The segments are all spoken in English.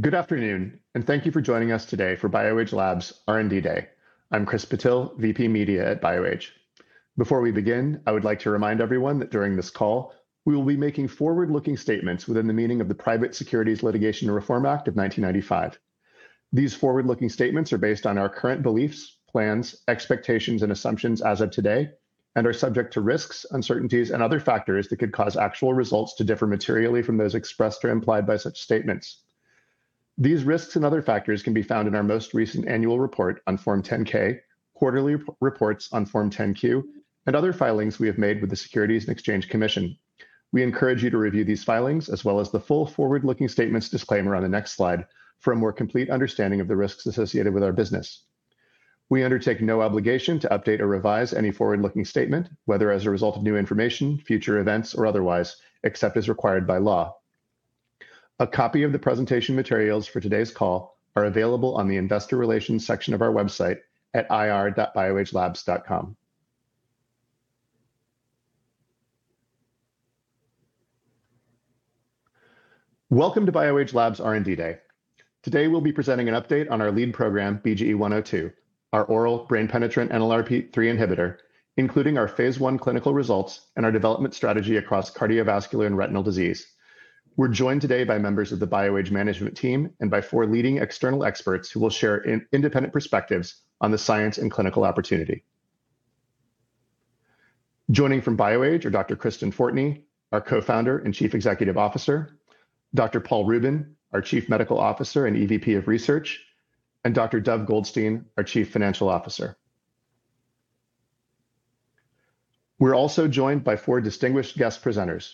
Good afternoon, thank you for joining us today for BioAge Labs R&D Day. I'm Chris Patil, VP Media at BioAge. Before we begin, I would like to remind everyone that during this call, we will be making forward-looking statements within the meaning of the Private Securities Litigation Reform Act of 1995. These forward-looking statements are based on our current beliefs, plans, expectations, and assumptions as of today, and are subject to risks, uncertainties, and other factors that could cause actual results to differ materially from those expressed or implied by such statements. These risks and other factors can be found in our most recent annual report on Form 10-K, quarterly reports on Form 10-Q, and other filings we have made with the Securities and Exchange Commission. We encourage you to review these filings, as well as the full forward-looking statements disclaimer on the next slide for a more complete understanding of the risks associated with our business. We undertake no obligation to update or revise any forward-looking statement, whether as a result of new information, future events, or otherwise, except as required by law. A copy of the presentation materials for today's call are available on the investor relations section of our website at ir.bioagelabs.com. Welcome to BioAge Labs R&D Day. Today, we'll be presenting an update on our lead program, BGE-102, our oral brain-penetrant NLRP3 inhibitor, including our Phase I clinical results and our development strategy across cardiovascular and retinal disease. We're joined today by members of the BioAge management team and by four leading external experts who will share independent perspectives on the science and clinical opportunity. Joining from BioAge are Dr. Kristen Fortney, our Chief Executive Officer, Dr. Paul Rubin, our Chief Medical Officer and EVP of Research, and Dr. Dov Goldstein, our Chief Financial Officer. We are also joined by four distinguished guest presenters,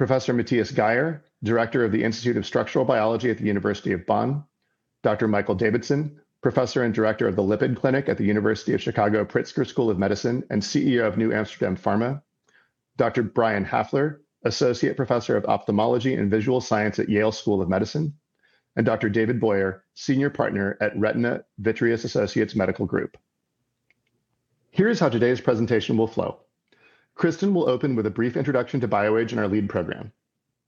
Professor Matthias Geyer, Director of the Institute of Structural Biology at the University of Bonn, Dr. Michael Davidson, Professor and Director of the Lipid Clinic at the University of Chicago Pritzker School of Medicine, and CEO of New Amsterdam Pharma, Dr. Brian Hafler, Associate Professor of Ophthalmology and Visual Science at Yale School of Medicine, and Dr. David Boyer, Senior Partner at Retina-Vitreous Associates Medical Group. Here is how today's presentation will flow. Kristen will open with a brief introduction to BioAge and our lead program.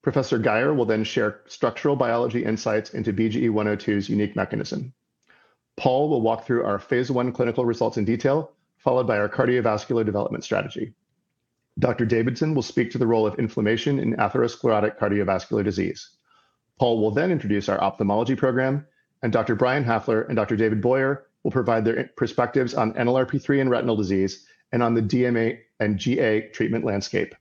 Professor Geyer will then share structural biology insights into BGE-102's unique mechanism. Paul will walk through our Phase I clinical results in detail, followed by our cardiovascular development strategy. Dr. Davidson will speak to the role of inflammation in atherosclerotic cardiovascular disease. Paul will then introduce our ophthalmology program, and Dr. Brian Hafler and Dr. David Boyer will provide their perspectives on NLRP3 and retinal disease and on the DME and GA treatment landscape.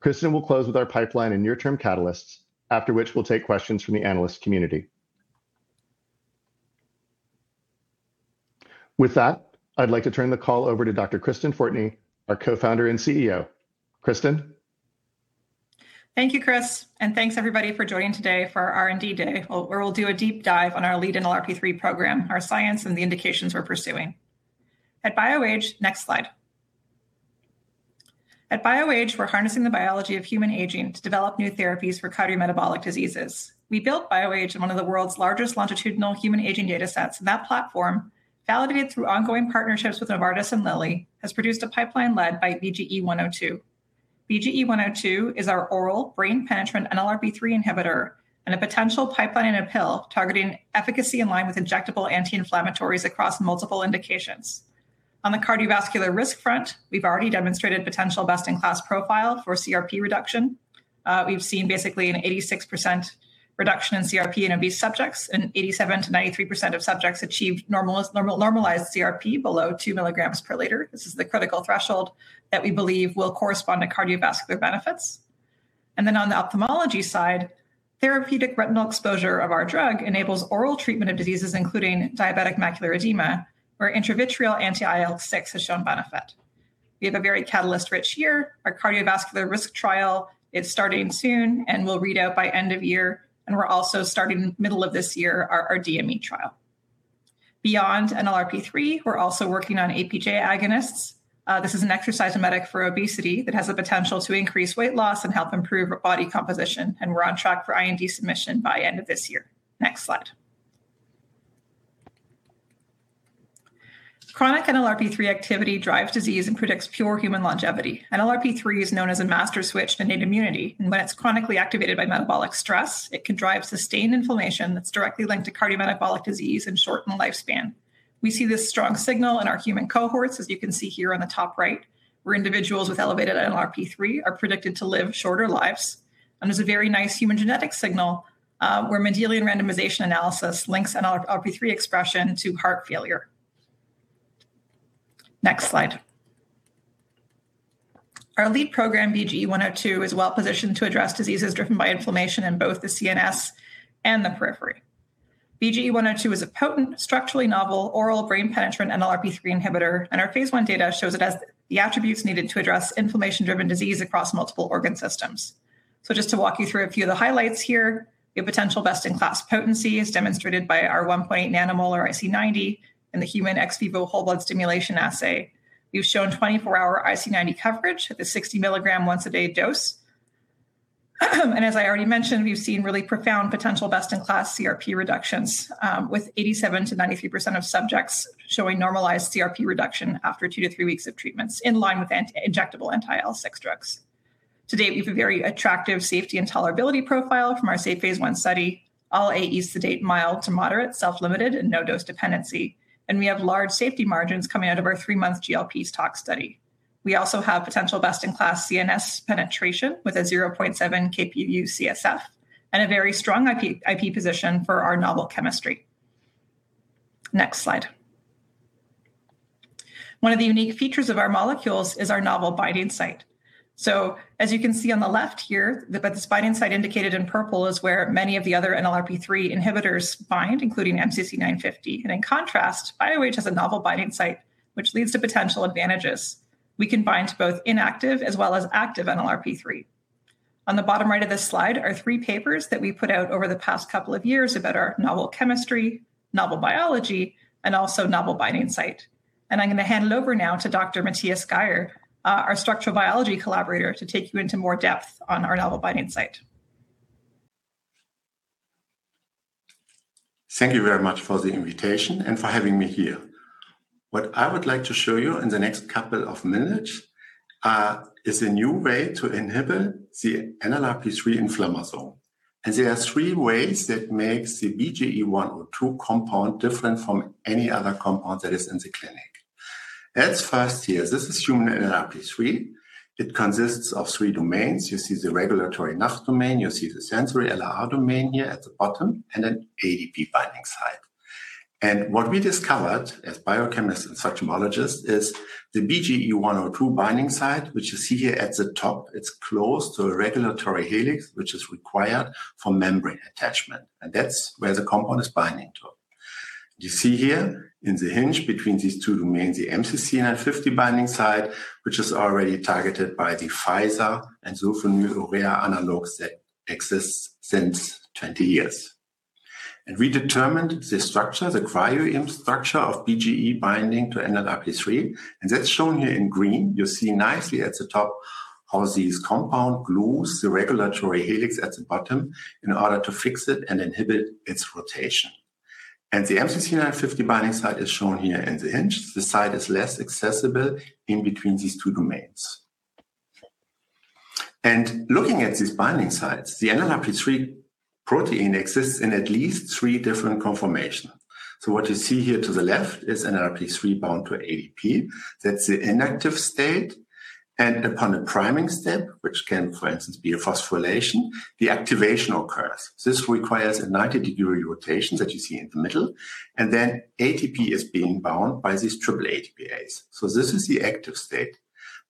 Kristen will close with our pipeline and near-term catalysts, after which we'll take questions from the analyst community. With that, I'd like to turn the call over to Dr. Kristen Fortney, our Co-Founder and CEO. Kristen? Thank you, Chris, and thanks everybody for joining today for our R&D day, where we'll do a deep dive on our lead NLRP3 program, our science, and the indications we're pursuing. At BioAge Next slide. At BioAge, we're harnessing the biology of human aging to develop new therapies for cardiometabolic diseases. We built BioAge in one of the world's largest longitudinal human aging datasets. That platform, validated through ongoing partnerships with Novartis and Lilly, has produced a pipeline led by BGE-102. BGE-102 is our oral brain-penetrant NLRP3 inhibitor. A potential pipeline-in-a-pill targeting efficacy in line with injectable anti-inflammatories across multiple indications. On the cardiovascular risk front, we've already demonstrated potential best-in-class profile for CRP reduction. We've seen basically an 86% reduction in CRP in obese subjects, and 87%-93% of subjects achieved normalized CRP below 2 mg/L. This is the critical threshold that we believe will correspond to cardiovascular benefits. On the ophthalmology side, therapeutic retinal exposure of our drug enables oral treatment of diseases including diabetic macular edema, where intravitreal anti-IL-6 has shown benefit. We have a very catalyst-rich year. Our cardiovascular risk trial is starting soon and will read out by end of year, and we're also starting middle of this year our DME trial. Beyond NLRP3, we're also working on APJ agonists. This is an exercise in medic for obesity that has the potential to increase weight loss and help improve body composition, and we're on track for IND submission by end of this year. Next slide. Chronic NLRP3 activity drives disease and predicts pure human longevity. NLRP3 is known as a master switch to innate immunity, when it's chronically activated by metabolic stress, it can drive sustained inflammation that's directly linked to cardiometabolic disease and shortened lifespan. We see this strong signal in our human cohorts, as you can see here on the top right, where individuals with elevated NLRP3 are predicted to live shorter lives. There's a very nice human genetic signal, where Mendelian randomization analysis links NLRP3 expression to heart failure. Next slide. Our lead program, BGE-102, is well-positioned to address diseases driven by inflammation in both the CNS and the periphery. BGE-102 is a potent, structurally novel oral brain-penetrant NLRP3 inhibitor, our Phase I data shows it has the attributes needed to address inflammation-driven disease across multiple organ systems. Just to walk you through a few of the highlights here, we have potential best-in-class potency, as demonstrated by our 1 nM IC90 in the human ex vivo whole blood stimulation assay. We've shown 24-hour IC90 coverage at the 60 mg once-a-day dose. And as I already mentioned, we've seen really profound potential best-in-class CRP reductions, with 87%-93% of subjects showing normalized CRP reduction after two to three weeks of treatments in line with anti-injectable anti-IL-6 drugs. To date, we have a very attractive safety and tolerability profile from our safe Phase I study. All AEs to date mild to moderate, self-limited, and no dose dependency. We have large safety margins coming out of our three-month GLP tox study. We also have potential best-in-class CNS penetration with a 0.7 Kp,uu, CSF and a very strong IP position for our novel chemistry. Next slide. One of the unique features of our molecules is our novel binding site. As you can see on the left here, this binding site indicated in purple is where many of the other NLRP3 inhibitors bind, including MCC950. In contrast, BioAge has a novel binding site which leads to potential advantages. We can bind to both inactive as well as active NLRP3. On the bottom right of this slide are three papers that we put out over the past couple of years about our novel chemistry, novel biology, and also novel binding site. I'm gonna hand it over now to Dr. Matthias Geyer, our structural biology collaborator, to take you into more depth on our novel binding site. Thank you very much for the invitation and for having me here. What I would like to show you in the next couple of minutes, is a new way to inhibit the NLRP3 inflammasome. There are three ways that makes the BGE-102 compound different from any other compound that is in the clinic. At first here, this is human NLRP3. It consists of three domains. You see the regulatory NACHT domain, you see the sensory LRR domain here at the bottom, and an ADP binding site. What we discovered as biochemists and structural biologists is the BGE-102 binding site, which you see here at the top, it's close to a regulatory helix, which is required for membrane attachment, and that's where the compound is binding to. You see here in the hinge between these two domains, the MCC950 binding site, which is already targeted by the Pfizer and sulfonylurea analogs that exists since 20 years. We determined the structure, the cryo-EM structure of BGE binding to NLRP3, and that's shown here in green. You see nicely at the top how this compound glues the regulatory helix at the bottom in order to fix it and inhibit its rotation. The MCC950 binding site is shown here in the hinge. The site is less accessible in between these two domains. Looking at these binding sites, the NLRP3 protein exists in at least three different conformations. What you see here to the left is NLRP3 bound to ADP. That's the inactive state. Upon a priming step, which can, for instance, be a phosphorylation, the activation occurs. This requires a 90-degree rotation that you see in the middle, and then ATP is being bound by this AAA ATPase. This is the active state.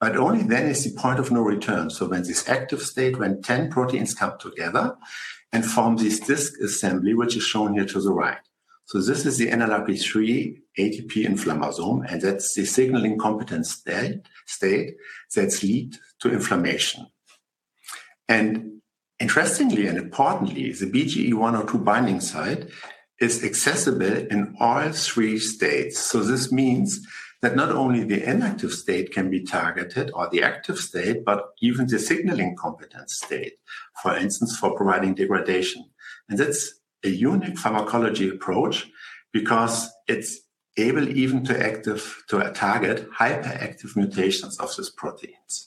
Only then is the point of no return. When this active state, when 10 proteins come together and form this disc assembly, which is shown here to the right, this is the NLRP3 ATP inflammasome, and that's the signaling competence state that lead to inflammation. Interestingly and importantly, the BGE-102 binding site is accessible in all three states. This means that not only the inactive state can be targeted or the active state, but even the signaling competent state, for instance, for providing degradation. That's a unique pharmacology approach because it's able even to target hyperactive mutations of these proteins.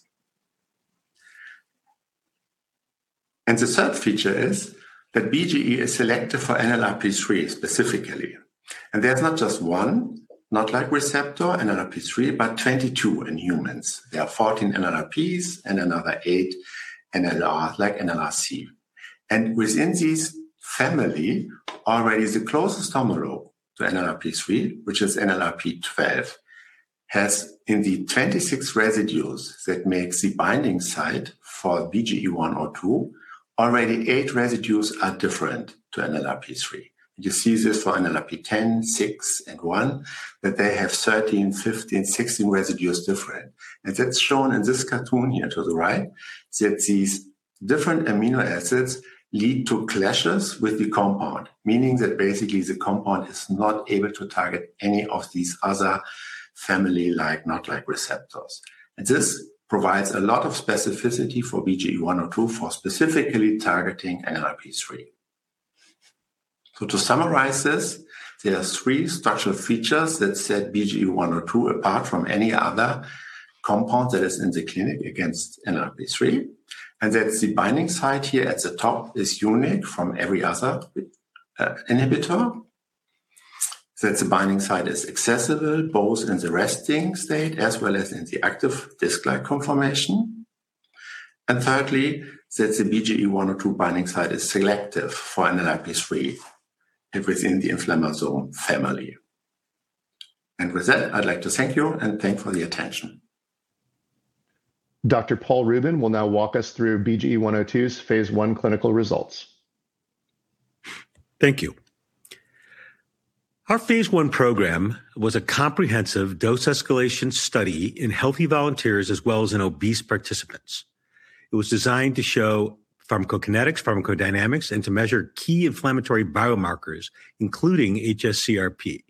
The third feature is that BGE is selective for NLRP3 specifically. There's not just one NOD-like receptor NLRP3, but 22 in humans. There are 14 NLRPs and another eight NLR, like NLRC. Within this family, already the closest homologue to NLRP3, which is NLRP12, has in the 26 residues that makes the binding site for BGE-102, already eight residues are different to NLRP3. You see this for NLRP10, NLRP6, and NLRP1, that they have 13, 15, 16 residues different. That's shown in this cartoon here to the right, that these different amino acids lead to clashes with the compound, meaning that basically the compound is not able to target any of these other family-like NOD-like receptors. This provides a lot of specificity for BGE-102 for specifically targeting NLRP3. To summarize this, there are three structural features that set BGE-102 apart from any other compound that is in the clinic against NLRP3, and that's the binding site here at the top is unique from every other inhibitor. The binding site is accessible both in the resting state as well as in the active disc-like conformation. Thirdly, the BGE-102 binding site is selective for NLRP3 and within the inflammasome family. With that, I'd like to thank you and thank for the attention. Dr. Paul Rubin will now walk us through BGE-102's Phase I clinical results. Thank you. Our Phase I program was a comprehensive dose escalation study in healthy volunteers as well as in obese participants. It was designed to show pharmacokinetics, pharmacodynamics, and to measure key inflammatory biomarkers, including hs-CRP.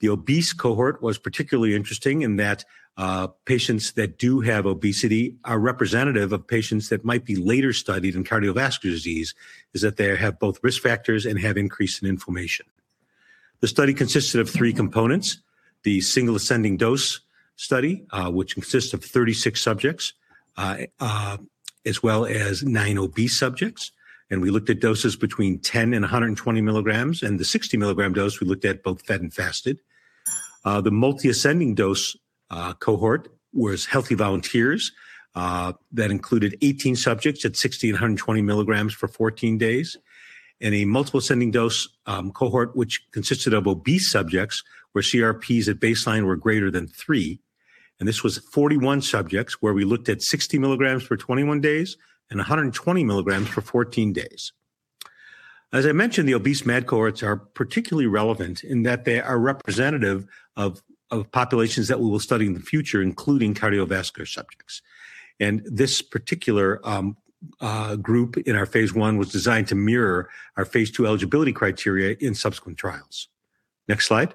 The obese cohort was particularly interesting in that patients that do have obesity are representative of patients that might be later studied in cardiovascular disease, is that they have both risk factors and have increase in inflammation. The study consisted of three components, the single ascending dose study, which consists of 36 subjects, as well as nine obese subjects. We looked at doses between 10 to 120 mg, and the 60 mg dose we looked at both fed and fasted. The multi-ascending dose cohort was healthy volunteers that included 18 subjects at 60 mg and 120 mg for 14 days, and a multiple ascending dose cohort which consisted of obese subjects where CRPs at baseline were greater than three. This was 41 subjects where we looked at 60 mg for 21 days and 120 mg for 14 days. As I mentioned, the obese MAD cohorts are particularly relevant in that they are representative of populations that we will study in the future, including cardiovascular subjects. This particular group in our Phase I was designed to mirror our Phase II eligibility criteria in subsequent trials. Next slide.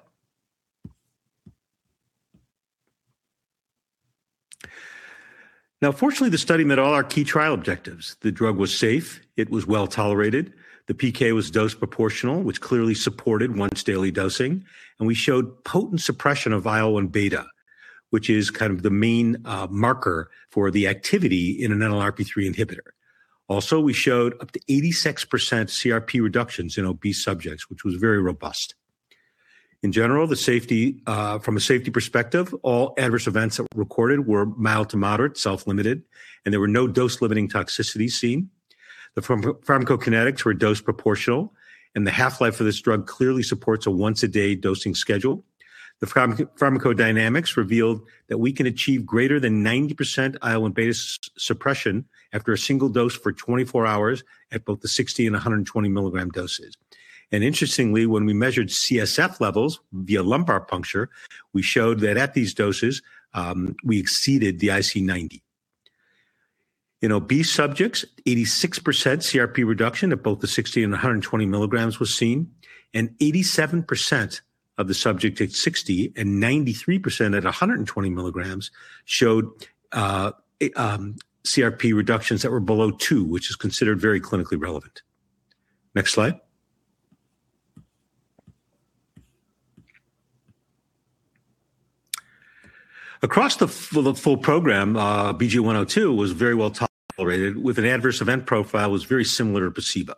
Fortunately, the study met all our key trial objectives. The drug was safe. It was well-tolerated. The PK was dose proportional, which clearly supported once-daily dosing. We showed potent suppression of IL-1β, which is kind of the main marker for the activity in an NLRP3 inhibitor. We showed up to 86% CRP reductions in obese subjects, which was very robust. In general, the safety, from a safety perspective, all adverse events that were recorded were mild to moderate, self-limited, and there were no dose-limiting toxicities seen. The pharmacokinetics were dose proportional, and the half-life of this drug clearly supports a once-a-day dosing schedule. The pharmacodynamics revealed that we can achieve greater than 90% IL-1β suppression after a single dose for 24 hours at both the 60 and 120 milligram doses. Interestingly, when we measured CSF levels via lumbar puncture, we showed that at these doses, we exceeded the IC90. In obese subjects, 86% CRP reduction at both the 60 mg and 120 mg was seen, and 87% of the subjects at 60% and 93% at 120 mg showed CRP reductions that were below 2, which is considered very clinically relevant. Next slide. Across the full program, BGE-102 was very well tolerated with an adverse event profile was very similar to placebo.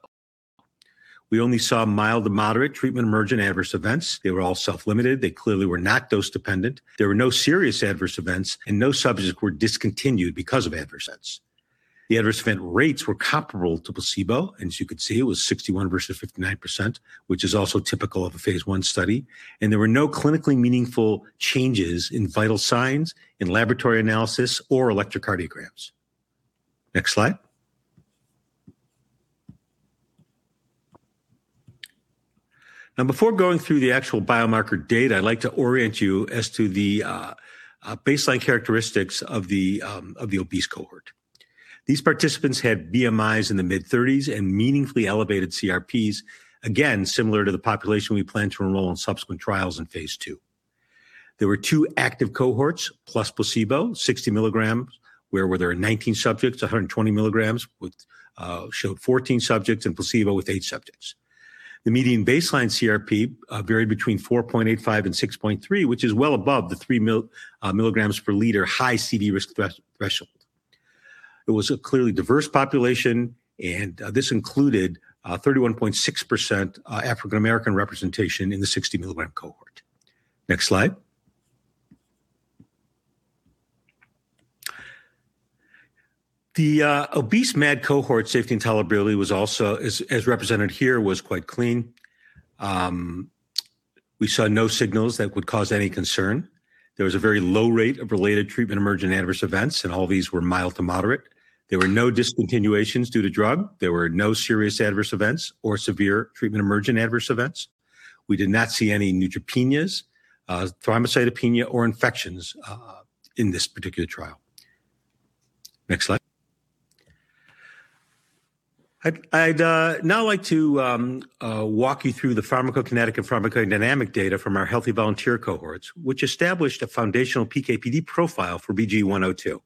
We only saw mild to moderate treatment emergent adverse events. They were all self-limited. They clearly were not dose dependent. There were no serious adverse events, and no subjects were discontinued because of adverse events. The adverse event rates were comparable to placebo, and as you can see, it was 61% versus 59%, which is also typical of a Phase I study. There were no clinically meaningful changes in vital signs, in laboratory analysis, or electrocardiograms. Next slide. Before going through the actual biomarker data, I'd like to orient you as to the baseline characteristics of the obese cohort. These participants had BMIs in the mid-thirties and meaningfully elevated CRPs, again, similar to the population we plan to enroll in subsequent trials in Phase II. There were two active cohorts plus placebo, 60 mg, where there were 19 subjects, 120 mg, which showed 14 subjects and placebo with eight subjects. The median baseline CRP varied between 4.85 and 6.3, which is well above the 3 mg/L high CV risk threshold. It was a clearly diverse population; this included 31.6% African American representation in the 60 mg cohort. Next slide. The obese MAD cohort safety and tolerability was also as represented here, was quite clean. We saw no signals that would cause any concern. There was a very low rate of related treatment emergent adverse events, and all of these were mild to moderate. There were no discontinuations due to drug. There were no serious adverse events or severe treatment emergent adverse events. We did not see any neutropenias, thrombocytopenia, or infections in this particular trial. Next slide. I'd now like to walk you through the pharmacokinetic and pharmacodynamic data from our healthy volunteer cohorts, which established a foundational PK/PD profile for BGE-102.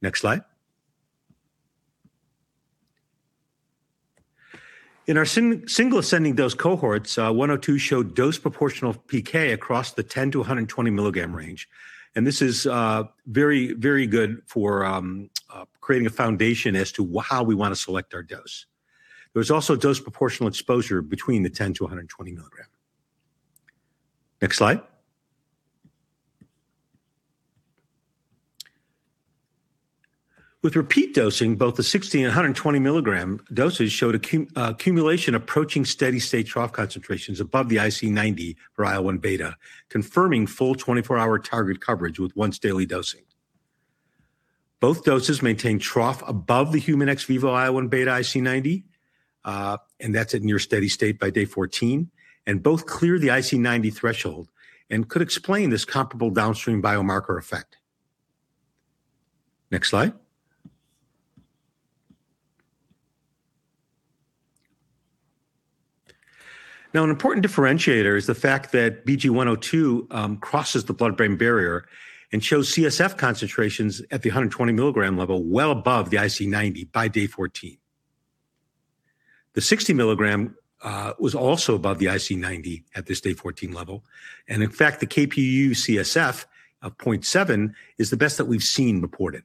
Next slide. In our single ascending dose cohorts, 102 showed dose proportional PK across the 10 to 120 mg range, this is very, very good for creating a foundation as to how we want to select our dose. There was also dose proportional exposure between the 10 to 120 mg range. Next slide. With repeat dosing, both the 60 mg and 120 mg doses showed accumulation approaching steady-state trough concentrations above the IC90 for IL-1β, confirming full 24-hour target coverage with once daily dosing. Both doses maintain trough above the human ex vivo IL-1β IC90, that's at near steady state by day 14, both clear the IC90 threshold and could explain this comparable downstream biomarker effect. Next slide. An important differentiator is the fact that BGE-102 crosses the blood-brain barrier and shows CSF concentrations at the 120 mg level well above the IC90 by day 14. The 60 mg was also above the IC90 at this day 14 level. In fact, the Kp,uu, CSF of 0.7 is the best that we've seen reported.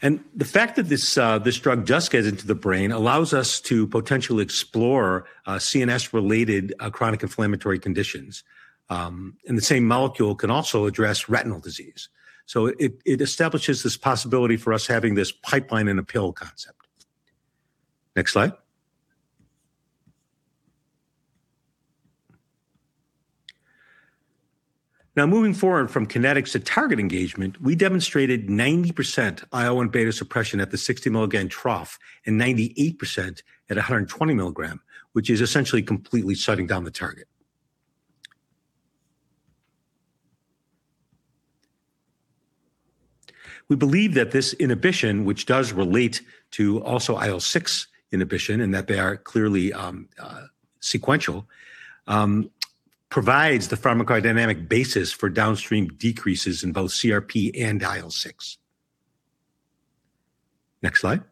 The fact that this drug does get into the brain allows us to potentially explore CNS-related chronic inflammatory conditions. The same molecule can also address retinal disease. It establishes this possibility for us having this pipeline in a pill concept. Next slide. Moving forward from kinetics to target engagement, we demonstrated 90% IL-1β suppression at the 60 mg trough and 98% at a 120 mg, which is essentially completely shutting down the target. We believe that this inhibition, which does relate to also IL-6 inhibition, and that they are clearly sequential, provides the pharmacodynamic basis for downstream decreases in both CRP and IL-6. Next slide.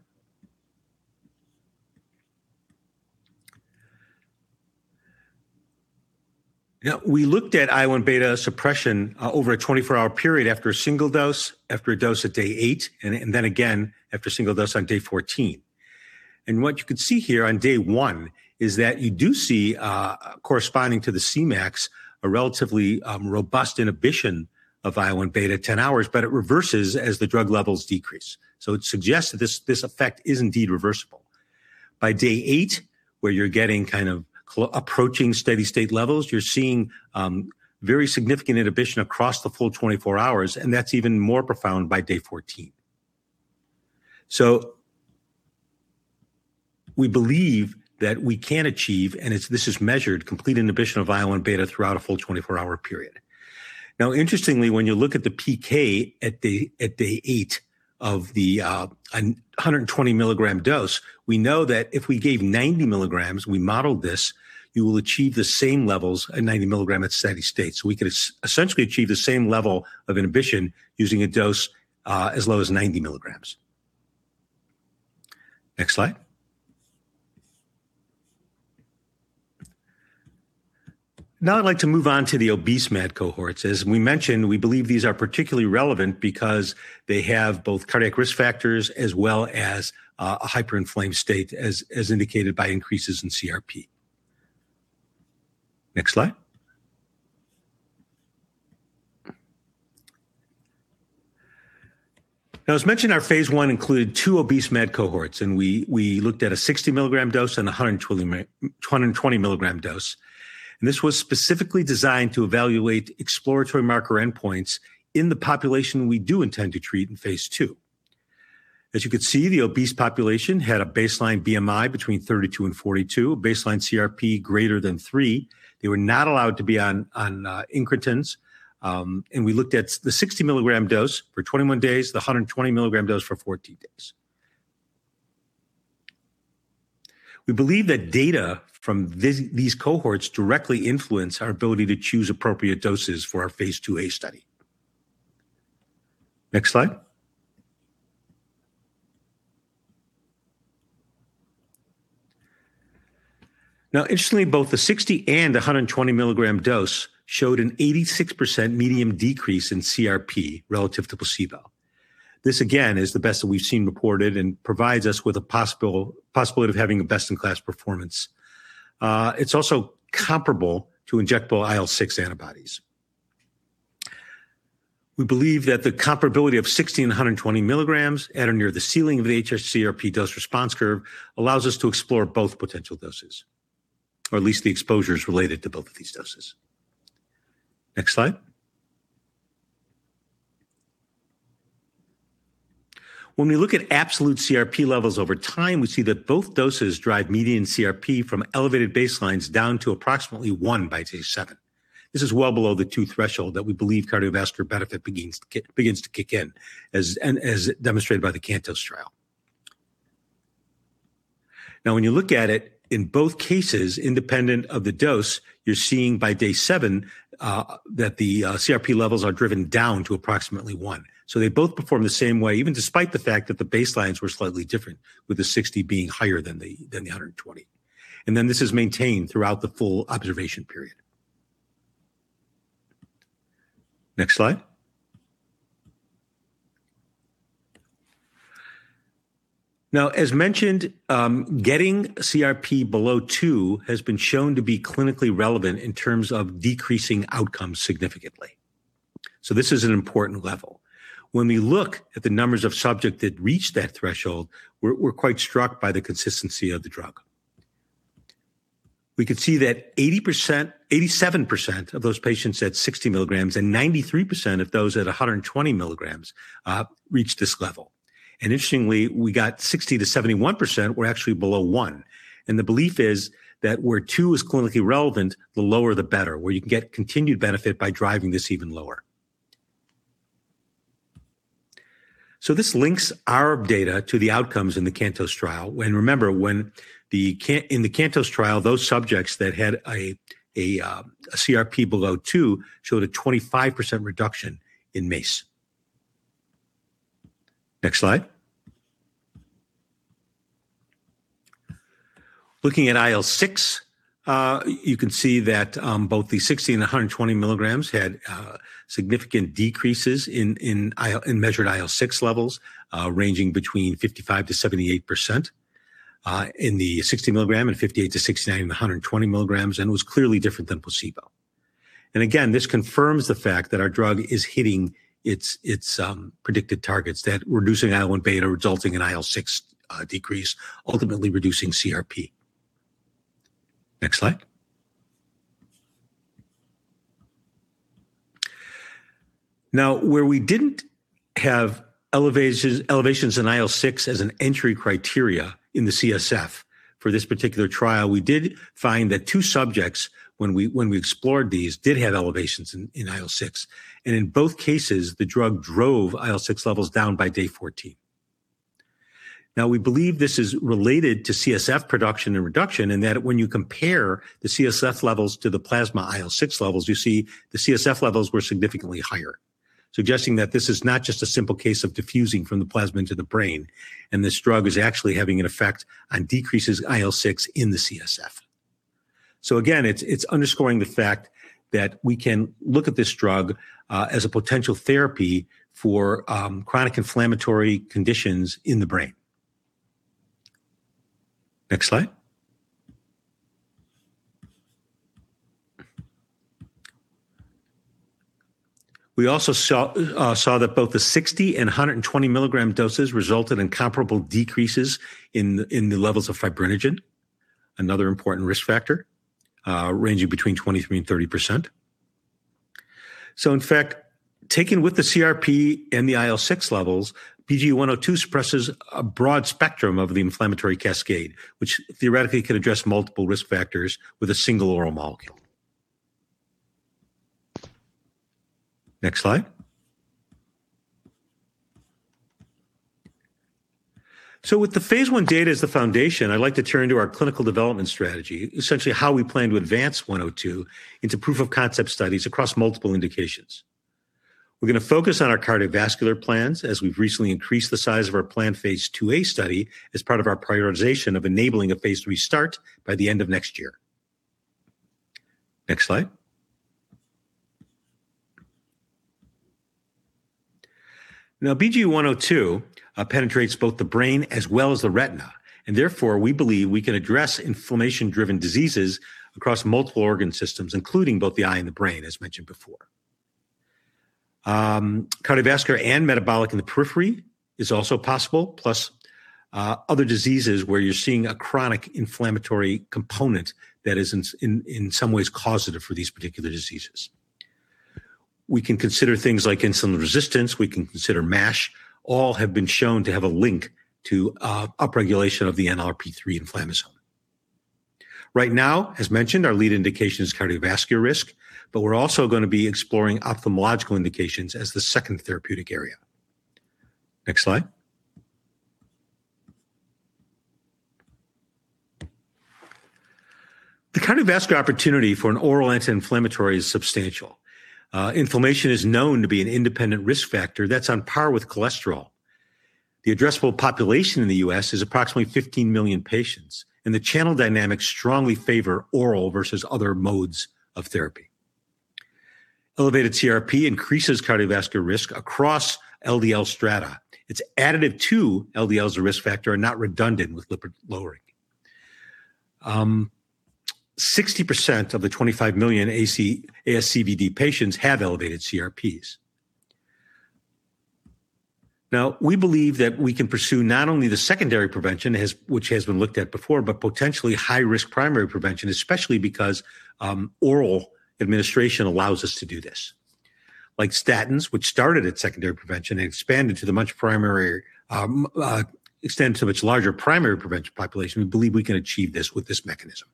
We looked at IL-1β suppression over a 24-hour period after a single dose, after a dose at day eight, and then again after single dose on day 14. What you can see here on day 1 is that you do see, corresponding to the Cmax, a relatively robust inhibition of IL-1β at 10 hours, but it reverses as the drug levels decrease. It suggests that this effect is indeed reversible. By day eight, where you're getting kind of approaching steady state levels, you're seeing very significant inhibition across the full 24 hours, and that's even more profound by day 14. We believe that we can achieve, and this is measured, complete inhibition of IL-1β throughout a full 24-hour period. Interestingly, when you look at the PK at day eight of the 120 mg dose, we know that if we gave 90 mg, we modeled this, you will achieve the same levels at 90 mg at steady state. We could essentially achieve the same level of inhibition using a dose as low as 90 mg. Next slide. I'd like to move on to the obese MAD cohorts. As we mentioned, we believe these are particularly relevant because they have both cardiac risk factors as well as a hyperinflamed state as indicated by increases in CRP. Next slide. As mentioned, our Phase I included two obese MAD cohorts, and we looked at a 60 mg dose and a 120 mg dose. This was specifically designed to evaluate exploratory marker endpoints in the population we do intend to treat in Phase II. As you can see, the obese population had a baseline BMI between 32 and 42, a baseline CRP greater than three. They were not allowed to be on incretins. We looked at the 60 mg dose for 21 days, the 120 mg dose for 14 days. We believe that data from these cohorts directly influence our ability to choose appropriate doses for our Phase II A study. Next slide. Interestingly, both the 60 and the 120 mg dose showed an 86% median decrease in CRP relative to placebo. This again, is the best that we've seen reported and provides us with a possibility of having a best-in-class performance. It's also comparable to injectable IL-6 antibodies. We believe that the comparability of 60 mg and 120 mg at or near the ceiling of the hs-CRP dose response curve allows us to explore both potential doses, or at least the exposures related to both of these doses. Next slide. When we look at absolute CRP levels over time, we see that both doses drive median CRP from elevated baselines down to approximately one by day seven. This is well below the 2 threshold that we believe cardiovascular benefit begins to kick in, as demonstrated by the CANTOS trial. When you look at it, in both cases, independent of the dose, you're seeing by day seven that the CRP levels are driven down to approximately one. They both perform the same way, even despite the fact that the baselines were slightly different, with the 60 being higher than the 120. This is maintained throughout the full observation period. Next slide. As mentioned, getting CRP below 2 has been shown to be clinically relevant in terms of decreasing outcomes significantly. This is an important level. When we look at the numbers of subjects that reach that threshold, we're quite struck by the consistency of the drug. We can see that 87% of those patients at 60 mg and 93% of those at 120 mg reached this level. Interestingly, we got 60%-71% were actually below 1. The belief is that where two is clinically relevant, the lower the better, where you can get continued benefit by driving this even lower. This links our data to the outcomes in the CANTOS trial. Remember, when in the CANTOS trial, those subjects that had a CRP below 2 showed a 25% reduction in MACE. Next slide. Looking at IL-6, you can see that both the 60 mg and 120 mg had significant decreases in measured IL-6 levels, ranging between 55% and 78% at 60 mg and 58% to 69% at 120 mg, and was clearly different than placebo. Again, this confirms the fact that our drug is hitting its predicted targets, that reducing IL-1β resulting in IL-6 decrease, ultimately reducing CRP. Next slide. Now, where we didn't have elevations in IL-6 as an entry criterion in the CSF for this particular trial, we did find that two subjects, when we explored these, did have elevations in IL-6. In both cases, the drug drove IL-6 levels down by day 14. We believe this is related to CSF production and reduction, and that when you compare the CSF levels to the plasma IL-6 levels, you see the CSF levels were significantly higher, suggesting that this is not just a simple case of diffusing from the plasma into the brain, and this drug is actually having an effect on decreases IL-6 in the CSF. Again, it's underscoring the fact that we can look at this drug as a potential therapy for chronic inflammatory conditions in the brain. Next slide. We also saw that both the 60 mg and 120 mg doses resulted in comparable decreases in the levels of fibrinogen, another important risk factor, ranging between 23% and 30%. In fact, taken with the CRP and the IL-6 levels, BGE-102 suppresses a broad spectrum of the inflammatory cascade, which theoretically can address multiple risk factors with a single oral molecule. Next slide. With the Phase I data as the foundation, I'd like to turn to our clinical development strategy, essentially how we plan to advance 102 into proof-of-concept studies across multiple indications. We're going to focus on our cardiovascular plans as we've recently increased the size of our planned Phase II-A study as part of our prioritization of enabling a Phase III start by the end of next year. Next slide. BGE-102 penetrates both the brain as well as the retina, and therefore, we believe we can address inflammation-driven diseases across multiple organ systems, including both the eye and the brain, as mentioned before. Cardiovascular and metabolic in the periphery is also possible, plus other diseases where you're seeing a chronic inflammatory component that is in some ways causative for these particular diseases. We can consider things like insulin resistance; we can consider MASH. All have been shown to have a link to upregulation of the NLRP3 inflammasome. Right now, as mentioned, our lead indication is cardiovascular risk, but we're also gonna be exploring ophthalmological indications as the second therapeutic area. Next slide. The cardiovascular opportunity for an oral anti-inflammatory is substantial. Inflammation is known to be an independent risk factor that's on par with cholesterol. The addressable population in the U.S. is approximately 15 million patients, and the channel dynamics strongly favor oral versus other modes of therapy. Elevated CRP increases cardiovascular risk across LDL strata. It's additive to LDL as a risk factor and not redundant with lipid lowering. 60% of the 25 million ASCVD patients have elevated CRPs. We believe that we can pursue not only the secondary prevention which has been looked at before, but potentially high-risk primary prevention, especially because oral administration allows us to do this. Like statins, which started at secondary prevention and expanded to the much larger primary prevention population, we believe we can achieve this with this mechanism.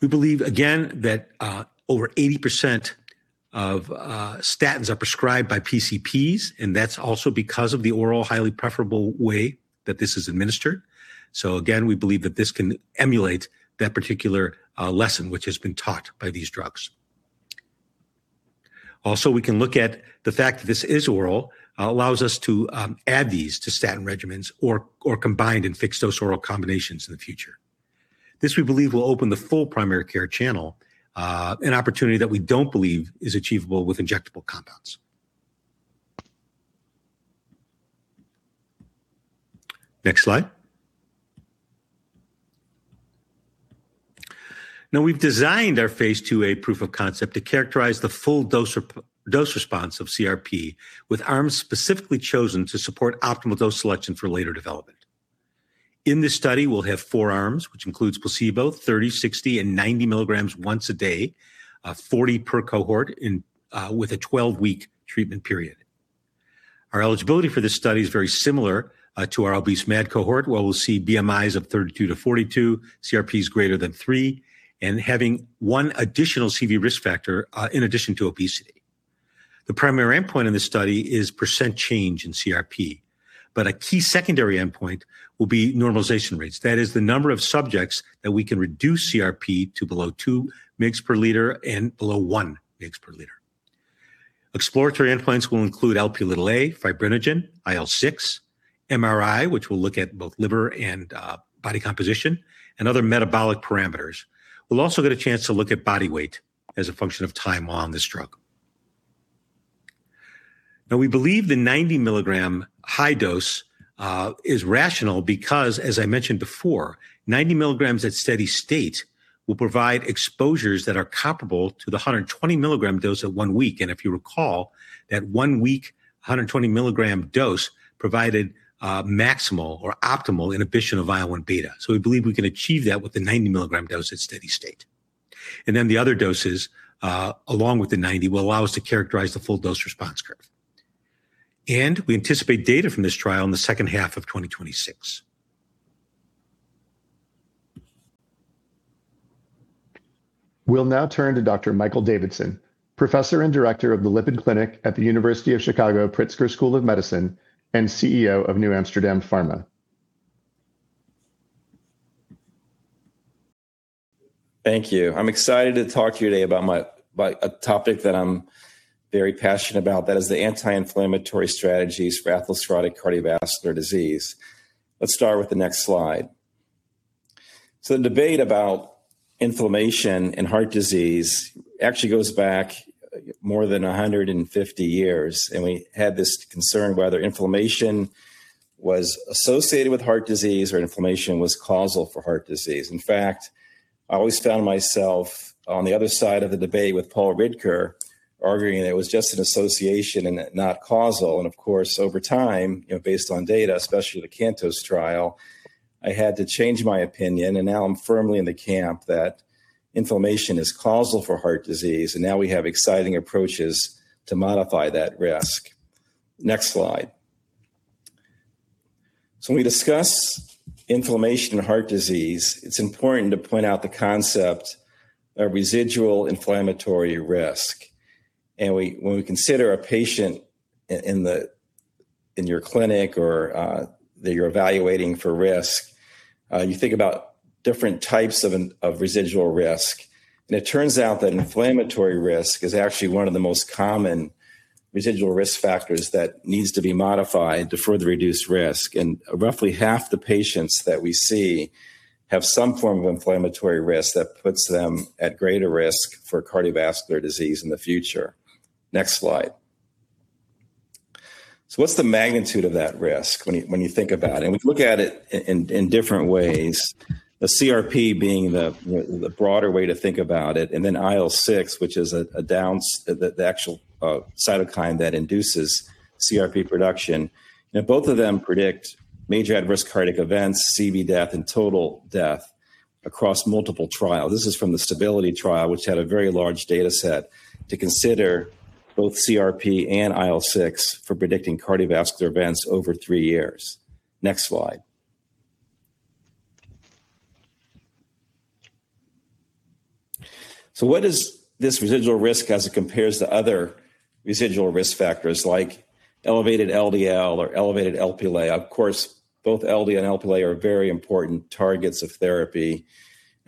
We believe that over 80% of statins are prescribed by PCPs, and that's also because of the oral highly preferable way that this is administered. We believe that this can emulate that particular lesson which has been taught by these drugs. We can look at the fact that this is oral, allows us to add these to statin regimens or combined in fixed-dose oral combinations in the future. This, we believe, will open the full primary care channel, an opportunity that we don't believe is achievable with injectable compounds. Next slide. We've designed our Phase II-A proof of concept to characterize the full dose response of CRP with arms specifically chosen to support optimal dose selection for later development. In this study, we'll have four arms, which includes placebo, 30 mg, 60 mg, and 90 mg once daily, 40 per cohort in with a 12-week treatment period. Our eligibility for this study is very similar to our obese MAD cohort, where we'll see BMIs of 32-42, CRPs greater than three, and having one additional CV risk factor in addition to obesity. The primary endpoint in this study is percent change in CRP, but a key secondary endpoint will be normalization rates. That is the number of subjects that we can reduce CRP to below 2 mg/L and below 1 mg/L. Exploratory endpoints will include Lp(a), fibrinogen, IL-6, MRI, which will look at both liver and body composition, and other metabolic parameters. We'll also get a chance to look at body weight as a function of time on this drug. We believe the 90 mg high dose is rational because, as I mentioned before, 90 mg at steady state will provide exposures that are comparable to the 120 mg dose at one week. If you recall that one week 120 mg dose provided maximal or optimal inhibition of IL-1β. We believe we can achieve that with the 90 mg dose at steady state. The other doses, along with the 90 mg, will allow us to characterize the full dose response curve. We anticipate data from this trial in the second half of 2026. We'll now turn to Dr. Michael Davidson, Professor and Director of the Lipid Clinic at the University of Chicago Pritzker School of Medicine and CEO of New Amsterdam Pharma. Thank you. I'm excited to talk to you today about a topic that I'm very passionate about, that is the anti-inflammatory strategies for atherosclerotic cardiovascular disease. Let's start with the next slide. The debate about inflammation and heart disease actually goes back more than 150 years, and we had this concern whether inflammation was associated with heart disease or inflammation was causal for heart disease. In fact, I always found myself on the other side of the debate with Paul Ridker arguing that it was just an association and not causal. Of course, over time, you know, based on data, especially the CANTOS trial, I had to change my opinion, and now I'm firmly in the camp that inflammation is causal for heart disease, and now we have exciting approaches to modify that risk. Next slide. When we discuss inflammation and heart disease, it's important to point out the concept of residual inflammatory risk. When we consider a patient in the, in your clinic or that you're evaluating for risk, you think about different types of of residual risk. It turns out that inflammatory risk is actually one of the most common residual risk factors that needs to be modified to further reduce risk. Roughly half the patients that we see have some form of inflammatory risk that puts them at greater risk for cardiovascular disease in the future. Next slide. What's the magnitude of that risk when you think about it? We can look at it in different ways, the CRP being the broader way to think about it, and then IL-6, which is the actual cytokine that induces CRP production. Both of them predict major adverse cardiac events, CV death, and total death across multiple trials. This is from the STABILITY trial, which had a very large data set to consider both CRP and IL-6 for predicting cardiovascular events over three years. Next slide. What is this residual risk as it compares to other residual risk factors like elevated LDL or elevated Lp(a)? Of course, both LDL and Lp(a) are very important targets of therapy.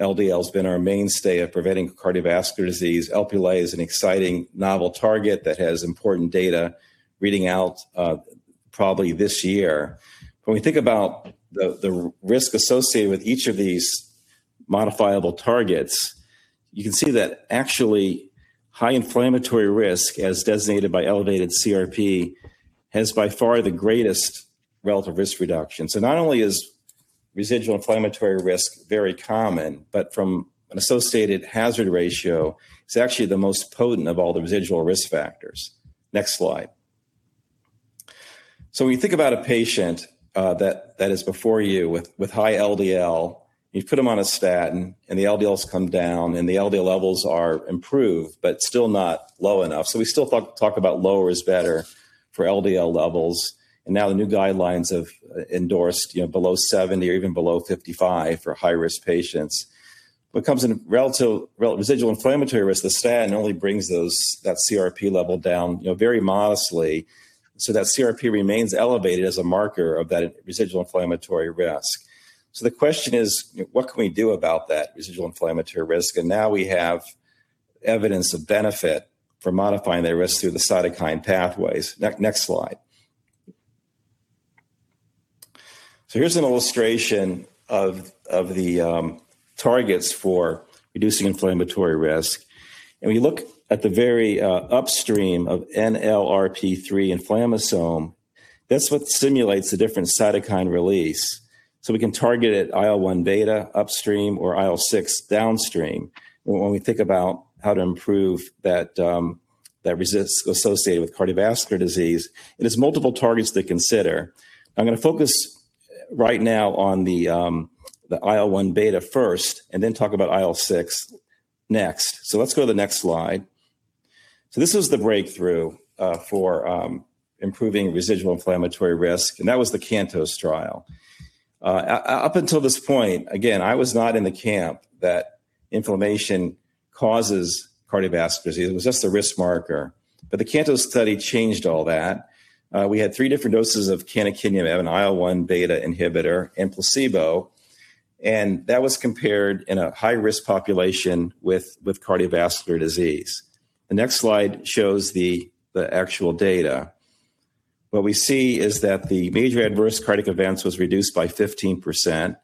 LDL has been our mainstay of preventing cardiovascular disease. Lp(a) is an exciting novel target that has important data reading out probably this year. When we think about the risk associated with each of these modifiable targets, you can see that actually high inflammatory risk, as designated by elevated CRP, has by far the greatest relative risk reduction. Not only is residual inflammatory risk very common, but from an associated hazard ratio, it's actually the most potent of all the residual risk factors. Next slide. When you think about a patient that is before you with high LDL, you put them on a statin, and the LDLs come down, and the LDL levels are improved but still not low enough. We still talk about lower is better for LDL levels, and now the new guidelines have endorsed, you know, below 70 or even below 55 for high-risk patients. When it comes to relative residual inflammatory risk, the statin only brings that CRP level down, you know, very modestly, so that CRP remains elevated as a marker of that residual inflammatory risk. The question is, what can we do about that residual inflammatory risk? Now we have evidence of benefit for modifying that risk through the cytokine pathways. Next slide. Here's an illustration of the targets for reducing inflammatory risk. When you look at the very upstream of NLRP3 inflammasome, that's what stimulates the different cytokine release. We can target IL-1β upstream or IL-6 downstream when we think about how to improve that risk associated with cardiovascular disease. It's multiple targets to consider. I'm gonna focus right now on the IL-1β first and then talk about IL-6 next. Let's go to the next slide. This is the breakthrough for improving residual inflammatory risk, and that was the CANTOS trial. Up until this point, again, I was not in the camp that inflammation causes cardiovascular disease. It was just a risk marker. The CANTOS study changed all that. We had three different doses of canakinumab, an IL-1β inhibitor, and placebo. That was compared in a high-risk population with cardiovascular disease. The next slide shows the actual data. What we see is that the major adverse cardiac events was reduced by 15%.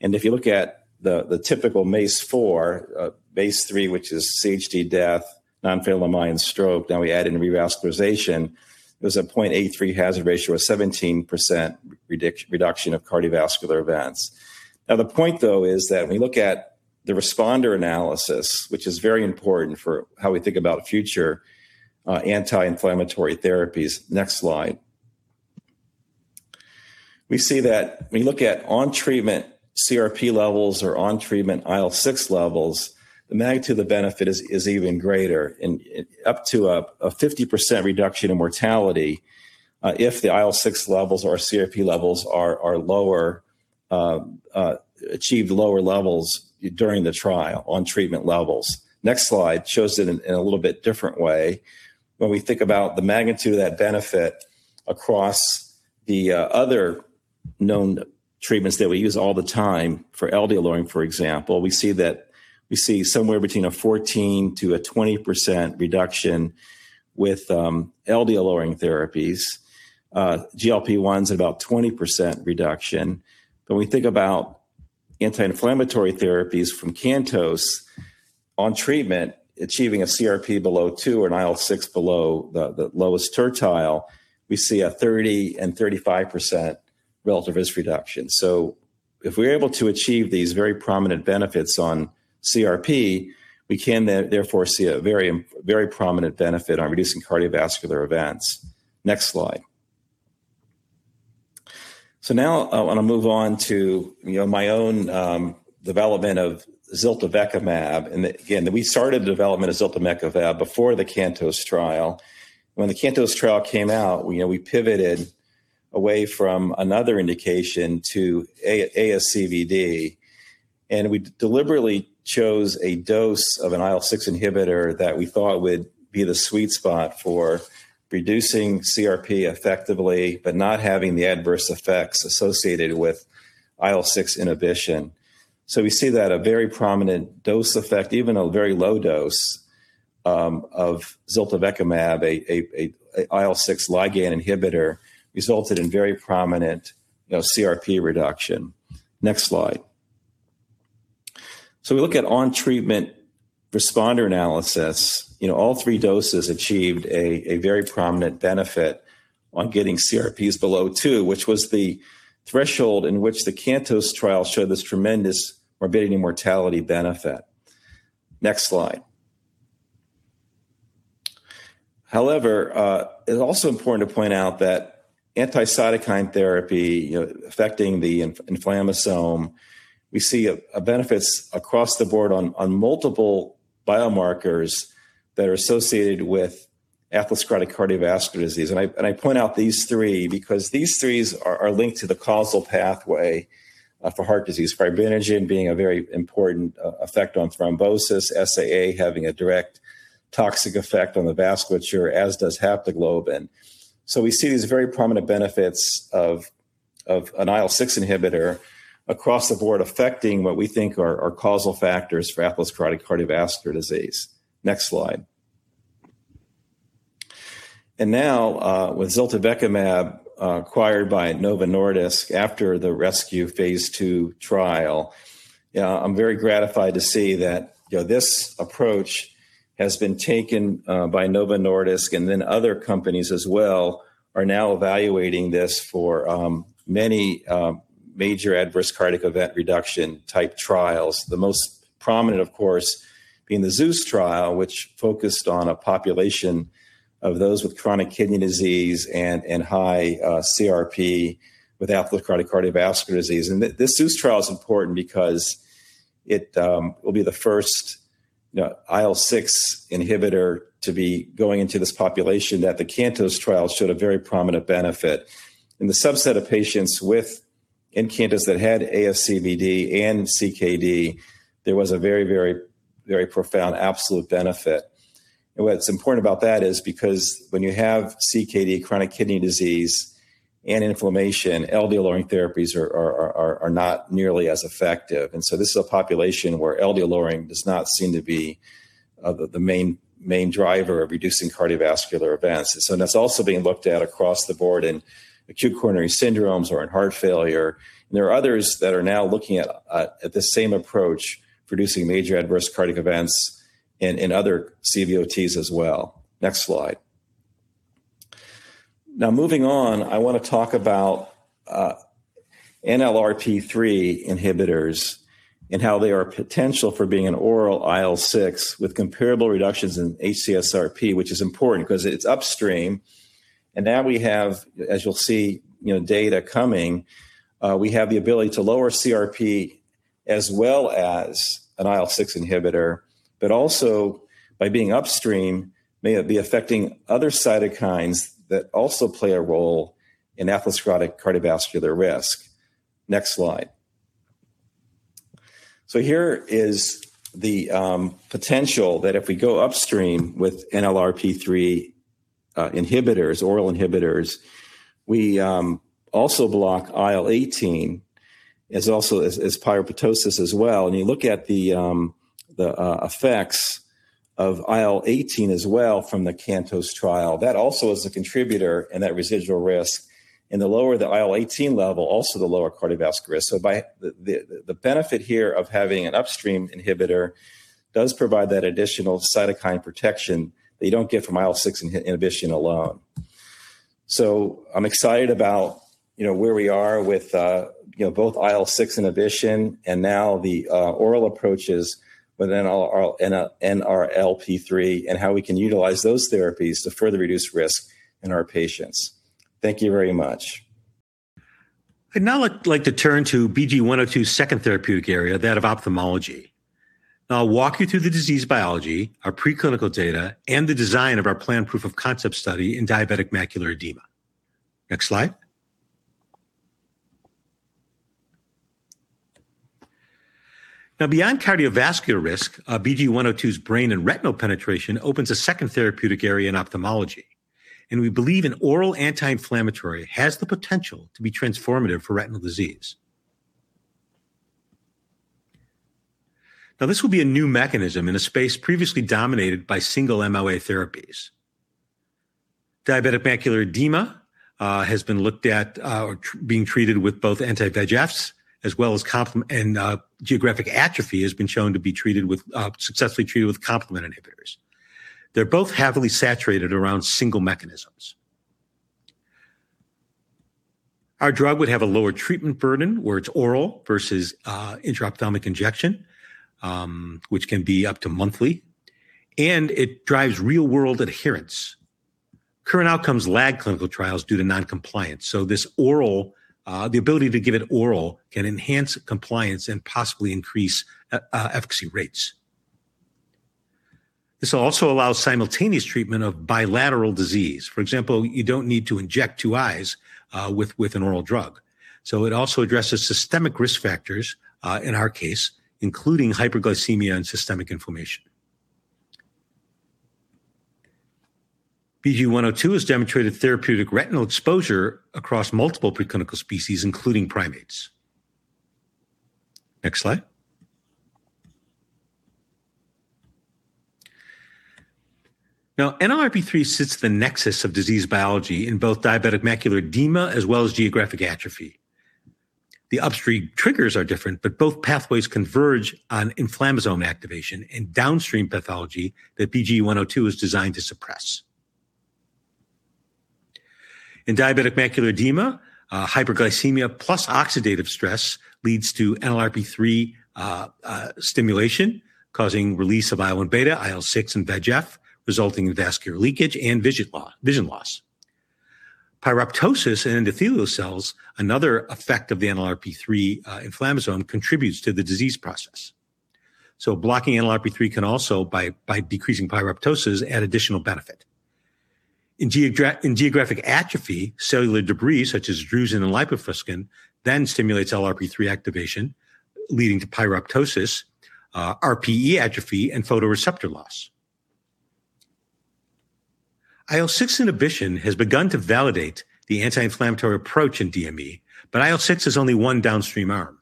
If you look at the typical MACE 4, MACE 3, which is CHD death, non-fatal MI and stroke, now we add in revascularization, there's a 0.83 hazard ratio of 17% reduction of cardiovascular events. The point though is that when we look at the responder analysis, which is very important for how we think about future anti-inflammatory therapies. Next slide. We see that when you look at on-treatment CRP levels or on-treatment IL-6 levels, the magnitude of the benefit is even greater and up to a 50% reduction in mortality if the IL-6 levels or CRP levels are lower, achieve lower levels during the trial on treatment levels. Next slide shows it in a little bit different way. When we think about the magnitude of that benefit across the other known treatments that we use all the time for LDL lowering, for example, we see that we see somewhere between a 14%-20% reduction with LDL lowering therapies. GLP-1 is about 20% reduction. When we think about anti-inflammatory therapies from CANTOS on treatment achieving a CRP below 2 and IL-6 below the lowest tertile, we see a 30% and 35% relative risk reduction. If we're able to achieve these very prominent benefits on CRP, we can therefore see a very prominent benefit on reducing cardiovascular events. Next slide. Now I want to move on to, you know, my own development of ziltivekimab. Again, we started the development of ziltivekimab before the CANTOS trial. When the CANTOS trial came out, you know, we pivoted away from another indication to ASCVD, and we deliberately chose a dose of an IL-6 inhibitor that we thought would be the sweet spot for reducing CRP effectively, but not having the adverse effects associated with IL-6 inhibition. We see that a very prominent dose effect, even a very low dose, of ziltivekimab, a IL-6 ligand inhibitor, resulted in very prominent, you know, CRP reduction. Next slide. We look at on-treatment responder analysis. You know, all three doses achieved a very prominent benefit on getting CRPs below 2, which was the threshold in which the CANTOS trial showed this tremendous morbidity and mortality benefit. Next slide. However, it's also important to point out that anti-cytokine therapy, you know, affecting the inflammasome, we see a benefits across the board on multiple biomarkers that are associated with atherosclerotic cardiovascular disease. I point out these three because these three are linked to the causal pathway for heart disease. Fibrinogen being a very important effect on thrombosis, SAA having a direct toxic effect on the vasculature, as does haptoglobin. We see these very prominent benefits of an IL-6 inhibitor across the board affecting what we think are causal factors for atherosclerotic cardiovascular disease. Now, with ziltivekimab acquired by Novo Nordisk after the RESCUE Phase II trial, I'm very gratified to see that, you know, this approach has been taken by Novo Nordisk and then other companies as well are now evaluating this for many major adverse cardiac event reduction type trials. The most prominent, of course, being the ZEUS trial, which focused on a population of those with chronic kidney disease and high CRP with atherosclerotic cardiovascular disease. This ZEUS trial is important because it, you know, will be the first IL-6 inhibitor to be going into this population that the CANTOS trial showed a very prominent benefit. In the subset of patients in CANTOS that had ASCVD and CKD, there was a very profound absolute benefit. What's important about that is because when you have CKD, chronic kidney disease, and inflammation, LDL lowering therapies are not nearly as effective. This is a population where LDL lowering does not seem to be the main driver of reducing cardiovascular events. That's also being looked at across the board in acute coronary syndromes or in heart failure. There are others that are now looking at the same approach, reducing major adverse cardiac events in other CVOTs as well. Next slide. Now moving on, I want to talk about NLRP3 inhibitors and how they are potential for being an oral IL-6 with comparable reductions in hs-CRP, which is important because it's upstream. Now we have, as you'll see, you know, data coming, we have the ability to lower CRP as well as an IL-6 inhibitor, but also by being upstream may be affecting other cytokines that also play a role in atherosclerotic cardiovascular risk. Next slide. Here is the potential that if we go upstream with NLRP3 inhibitors, oral inhibitors, we also block IL-18 as also as pyroptosis as well. You look at the effects of IL-18 as well from the CANTOS trial. That also is a contributor in that residual risk. The lower the IL-18 level, also the lower cardiovascular risk. By the benefit here of having an upstream inhibitor does provide that additional cytokine protection that you don't get from IL-6 inhibition alone. I'm excited about, you know, where we are with, you know, both IL-6 inhibition and now the oral approaches with NLRP3 and how we can utilize those therapies to further reduce risk in our patients. Thank you very much. I'd now like to turn to BGE-102's second therapeutic area, that of ophthalmology. I'll walk you through the disease biology, our preclinical data, and the design of our planned proof of concept study in diabetic macular edema. Next slide. Beyond cardiovascular risk, BGE-102's brain and retinal penetration opens a second therapeutic area in ophthalmology, and we believe an oral anti-inflammatory has the potential to be transformative for retinal disease. This will be a new mechanism in a space previously dominated by single MOA therapies. Diabetic macular edema has been looked at being treated with both anti-VEGFs as well as geographic atrophy has been shown to be treated with successfully treated with complement inhibitors. They're both heavily saturated around single mechanisms. Our drug would have a lower treatment burden, where it's oral versus intraocular injection, which can be up to monthly. It drives real-world adherence. Current outcomes lag clinical trials due to non-compliance. This oral, the ability to give it oral, can enhance compliance and possibly increase efficacy rates. This also allows simultaneous treatment of bilateral disease. For example, you don't need to inject two eyes with an oral drug. It also addresses systemic risk factors in our case, including hyperglycemia and systemic inflammation. BGE-102 has demonstrated therapeutic retinal exposure across multiple preclinical species, including primates. Next slide. NLRP3 sits at the nexus of disease biology in both diabetic macular edema as well as geographic atrophy. The upstream triggers are different. Both pathways converge on inflammasome activation and downstream pathology that BGE-102 is designed to suppress. In diabetic macular edema, hyperglycemia plus oxidative stress leads to NLRP3 stimulation, causing release of IL-1β, IL-6, and VEGF, resulting in vascular leakage and vision loss. Pyroptosis in endothelial cells, another effect of the NLRP3 inflammasome, contributes to the disease process. Blocking NLRP3 can also, by decreasing pyroptosis, add additional benefit. In geographic atrophy, cellular debris such as drusen and lipofuscin then stimulates NLRP3 activation, leading to pyroptosis, RPE atrophy, and photoreceptor loss. IL-6 inhibition has begun to validate the anti-inflammatory approach in DME, but IL-6 is only one downstream arm.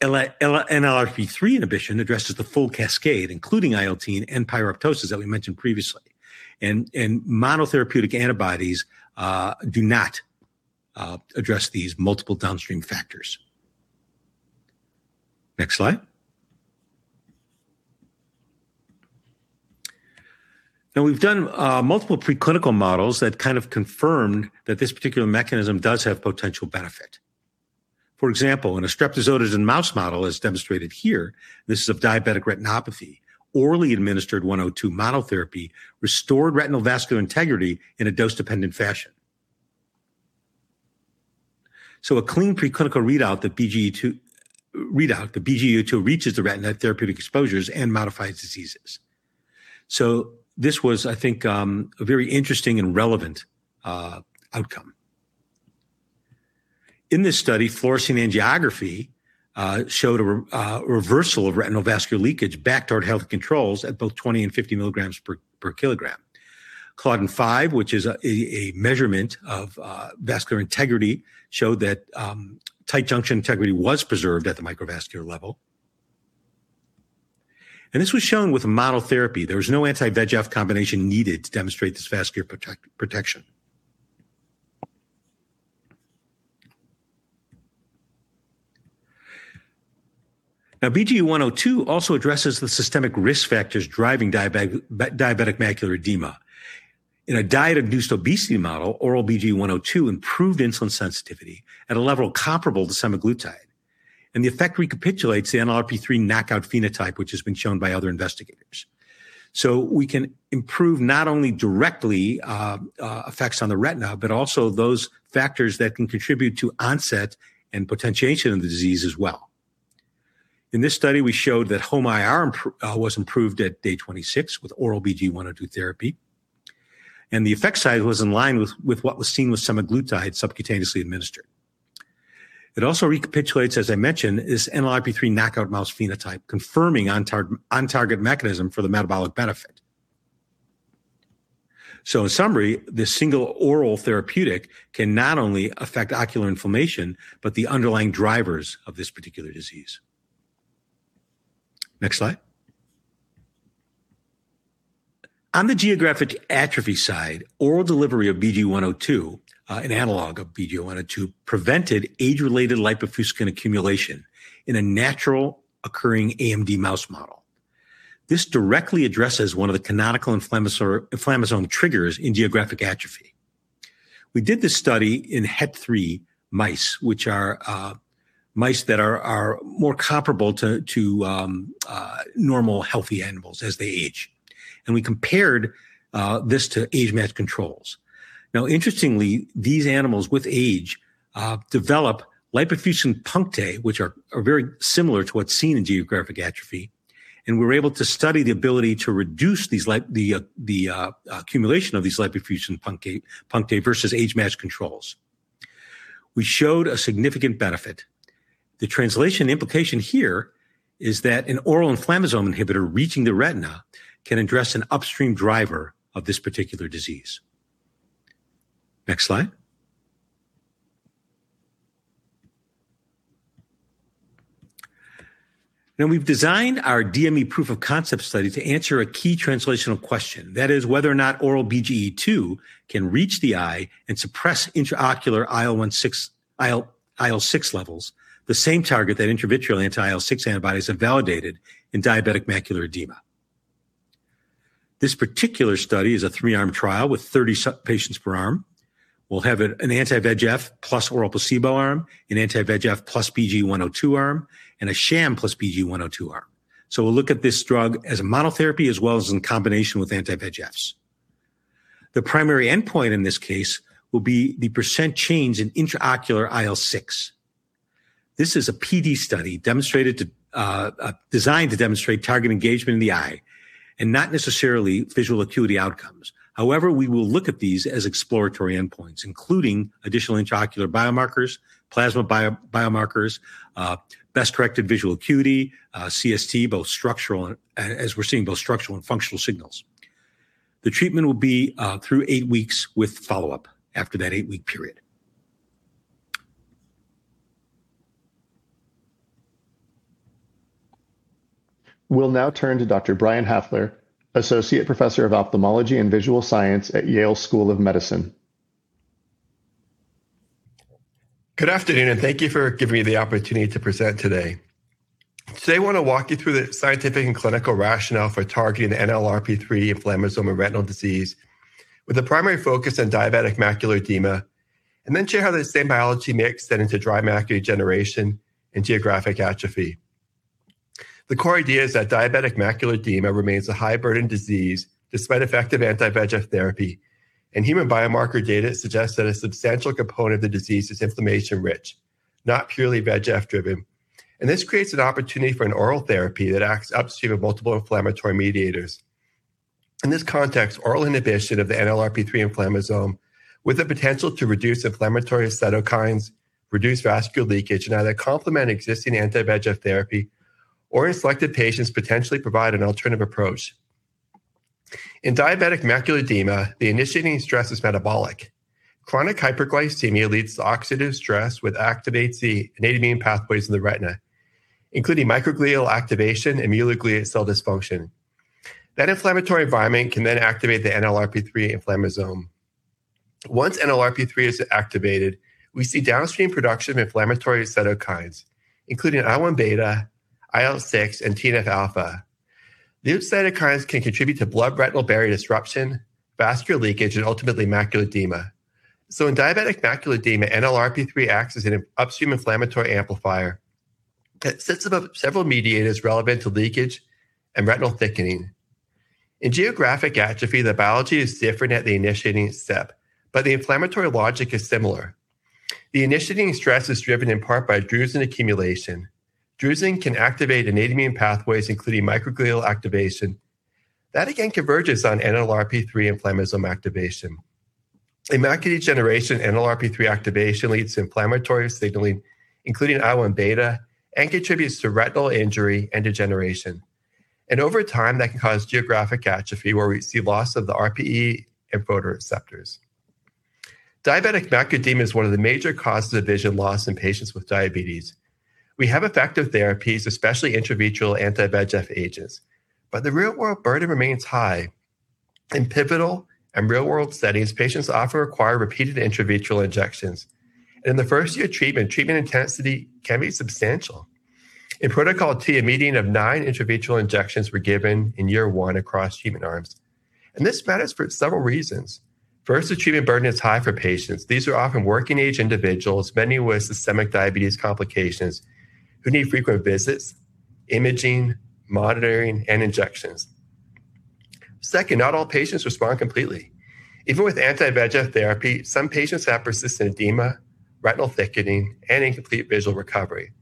NLRP3 inhibition addresses the full cascade, including IL-1β and pyroptosis that we mentioned previously. Monotherapeutic antibodies do not address these multiple downstream factors. Next slide. We've done multiple preclinical models that kind of confirmed that this particular mechanism does have potential benefit. For example, in a streptozotocin mouse model, as demonstrated here, this is of diabetic retinopathy. Orally administered 102 monotherapy restored retinal vascular integrity in a dose-dependent fashion. A clean preclinical readout that BGE-102 reaches the retina at therapeutic exposures and modifies diseases. This was, I think, a very interesting and relevant outcome. In this study, fluorescein angiography showed a reversal of retinal vascular leakage back toward health controls at both 20 and 50 milligrams per kilogram. Claudin-5, which is a measurement of vascular integrity, showed that tight junction integrity was preserved at the microvascular level. This was shown with monotherapy. There was no anti-VEGF combination needed to demonstrate this vascular protection. BGE-102 also addresses the systemic risk factors driving diabetic macular edema. In a diet-induced obesity model, oral BGE-102 improved insulin sensitivity at a level comparable to semaglutide, and the effect recapitulates the NLRP3 knockout phenotype, which has been shown by other investigators. We can improve not only directly effects on the retina, but also those factors that can contribute to onset and potentiation of the disease as well. In this study, we showed that HOMA-IR was improved at day 26 with oral BGE-102 therapy. The effect size was in line with what was seen with semaglutide subcutaneously administered. It also recapitulates, as I mentioned, this NLRP3 knockout mouse phenotype, confirming on-target mechanism for the metabolic benefit. In summary, this single oral therapeutic can not only affect ocular inflammation, but the underlying drivers of this particular disease. Next slide. On the geographic atrophy side, oral delivery of BGE-102, an analog of BGE-102, prevented age-related lipofuscin accumulation in a natural occurring AMD mouse model. This directly addresses one of the canonical inflammasome triggers in geographic atrophy. We did this study in HET3 mice, which are mice that are more comparable to normal healthy animals as they age. We compared this to age-matched controls. Interestingly, these animals with age develop lipofuscin punctae, which are very similar to what's seen in geographic atrophy, and we're able to study the ability to reduce the accumulation of these lipofuscin punctae versus age-matched controls. We showed a significant benefit. The translation implication here is that an oral inflammasome inhibitor reaching the retina can address an upstream driver of this particular disease. Next slide. We've designed our DME proof of concept study to answer a key translational question, that is whether or not oral BGE-102 can reach the eye and suppress intraocular IL-6 levels, the same target that intravitreal anti-IL-6 antibodies have validated in diabetic macular edema. This particular study is a 3-arm trial with 30 patients per arm. We'll have an anti-VEGF plus oral placebo arm, an anti-VEGF plus BGE-102 arm, and a sham plus BGE-102 arm. We'll look at this drug as a monotherapy as well as in combination with anti-VEGFs. The primary endpoint in this case will be the % change in intraocular IL-6. This is a PD study designed to demonstrate target engagement in the eye and not necessarily visual acuity outcomes. However, we will look at these as exploratory endpoints, including additional intraocular biomarkers, plasma biomarkers, best-corrected visual acuity, CST, both structural and as we're seeing both structural and functional signals. The treatment will be through eight weeks with follow-up after that eight-week period. We'll now turn to Dr. Brian Hafler, Associate Professor of Ophthalmology and Visual Science at Yale School of Medicine. Good afternoon, thank you for giving me the opportunity to present today. Today I want to walk you through the scientific and clinical rationale for targeting NLRP3 inflammasome in retinal disease with a primary focus on diabetic macular edema. Then share how this same biology may extend into dry macular degeneration and geographic atrophy. The core idea is that diabetic macular edema remains a high-burden disease despite effective anti-VEGF therapy, and human biomarker data suggests that a substantial component of the disease is inflammation rich, not purely VEGF driven. This creates an opportunity for an oral therapy that acts upstream of multiple inflammatory mediators. In this context, oral inhibition of the NLRP3 inflammasome with the potential to reduce inflammatory cytokines, reduce vascular leakage, and either complement existing anti-VEGF therapy or in selected patients potentially provide an alternative approach. In diabetic macular edema, the initiating stress is metabolic. Chronic hyperglycemia leads to oxidative stress, which activates the innate immune pathways in the retina, including microglial activation and microglia cell dysfunction. That inflammatory environment can then activate the NLRP3 inflammasome. Once NLRP3 is activated, we see downstream production of inflammatory cytokines, including IL-1β, IL-6, and TNF-alpha. These cytokines can contribute to blood retinal barrier disruption, vascular leakage, and ultimately macular edema. In diabetic macular edema, NLRP3 acts as an upstream inflammatory amplifier that sits above several mediators relevant to leakage and retinal thickening. In geographic atrophy, the biology is different at the initiating step, but the inflammatory logic is similar. The initiating stress is driven in part by drusen accumulation. Drusen can activate innate immune pathways, including microglial activation. That again converges on NLRP3 inflammasome activation. In macular degeneration, NLRP3 activation leads to inflammatory signaling, including IL-1β, and contributes to retinal injury and degeneration. Over time, that can cause geographic atrophy, where we see loss of the RPE and photoreceptors. Diabetic macular edema is one of the major causes of vision loss in patients with diabetes. We have effective therapies, especially intravitreal anti-VEGF agents, the real-world burden remains high. In pivotal and real-world settings, patients often require repeated intravitreal injections, in the first year of treatment intensity can be substantial. In Protocol T, a median of nine intravitreal injections were given in year one across treatment arms, this matters for several reasons. First, the treatment burden is high for patients. These are often working-age individuals, many with systemic diabetes complications, who need frequent visits, imaging, monitoring, and injections. Second, not all patients respond completely. Even with anti-VEGF therapy, some patients have persistent edema, retinal thickening, and incomplete visual recovery.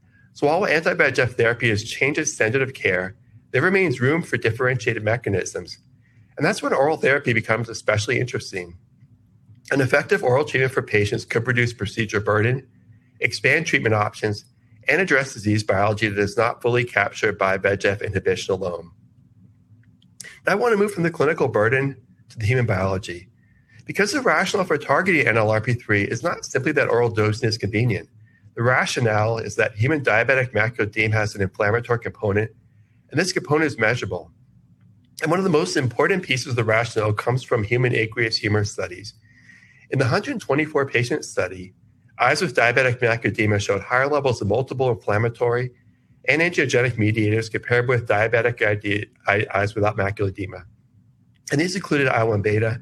While anti-VEGF therapy has changed the standard of care, there remains room for differentiated mechanisms, and that's when oral therapy becomes especially interesting. An effective oral treatment for patients could reduce procedure burden, expand treatment options, and address disease biology that is not fully captured by VEGF inhibition alone. I want to move from the clinical burden to the human biology. Because the rationale for targeting NLRP3 is not simply that oral dosing is convenient. The rationale is that human diabetic macular edema has an inflammatory component, and this component is measurable. One of the most important pieces of the rationale comes from human aqueous humor studies. In the 124 patient study, eyes with diabetic macular edema showed higher levels of multiple inflammatory and angiogenic mediators compared with diabetic eyes without macular edema, and these included IL-1β,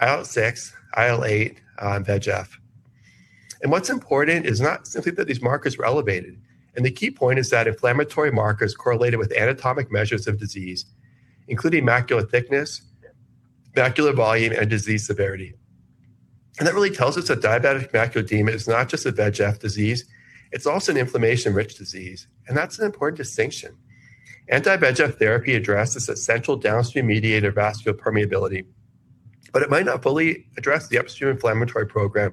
IL-6, IL-8, VEGF. What's important is not simply that these markers were elevated, the key point is that inflammatory markers correlated with anatomic measures of disease, including macular thickness, macular volume, and disease severity. That really tells us that diabetic macular edema is not just a VEGF disease, it's also an inflammation-rich disease, and that's an important distinction. Anti-VEGF therapy addresses the central downstream mediator vascular permeability, but it might not fully address the upstream inflammatory program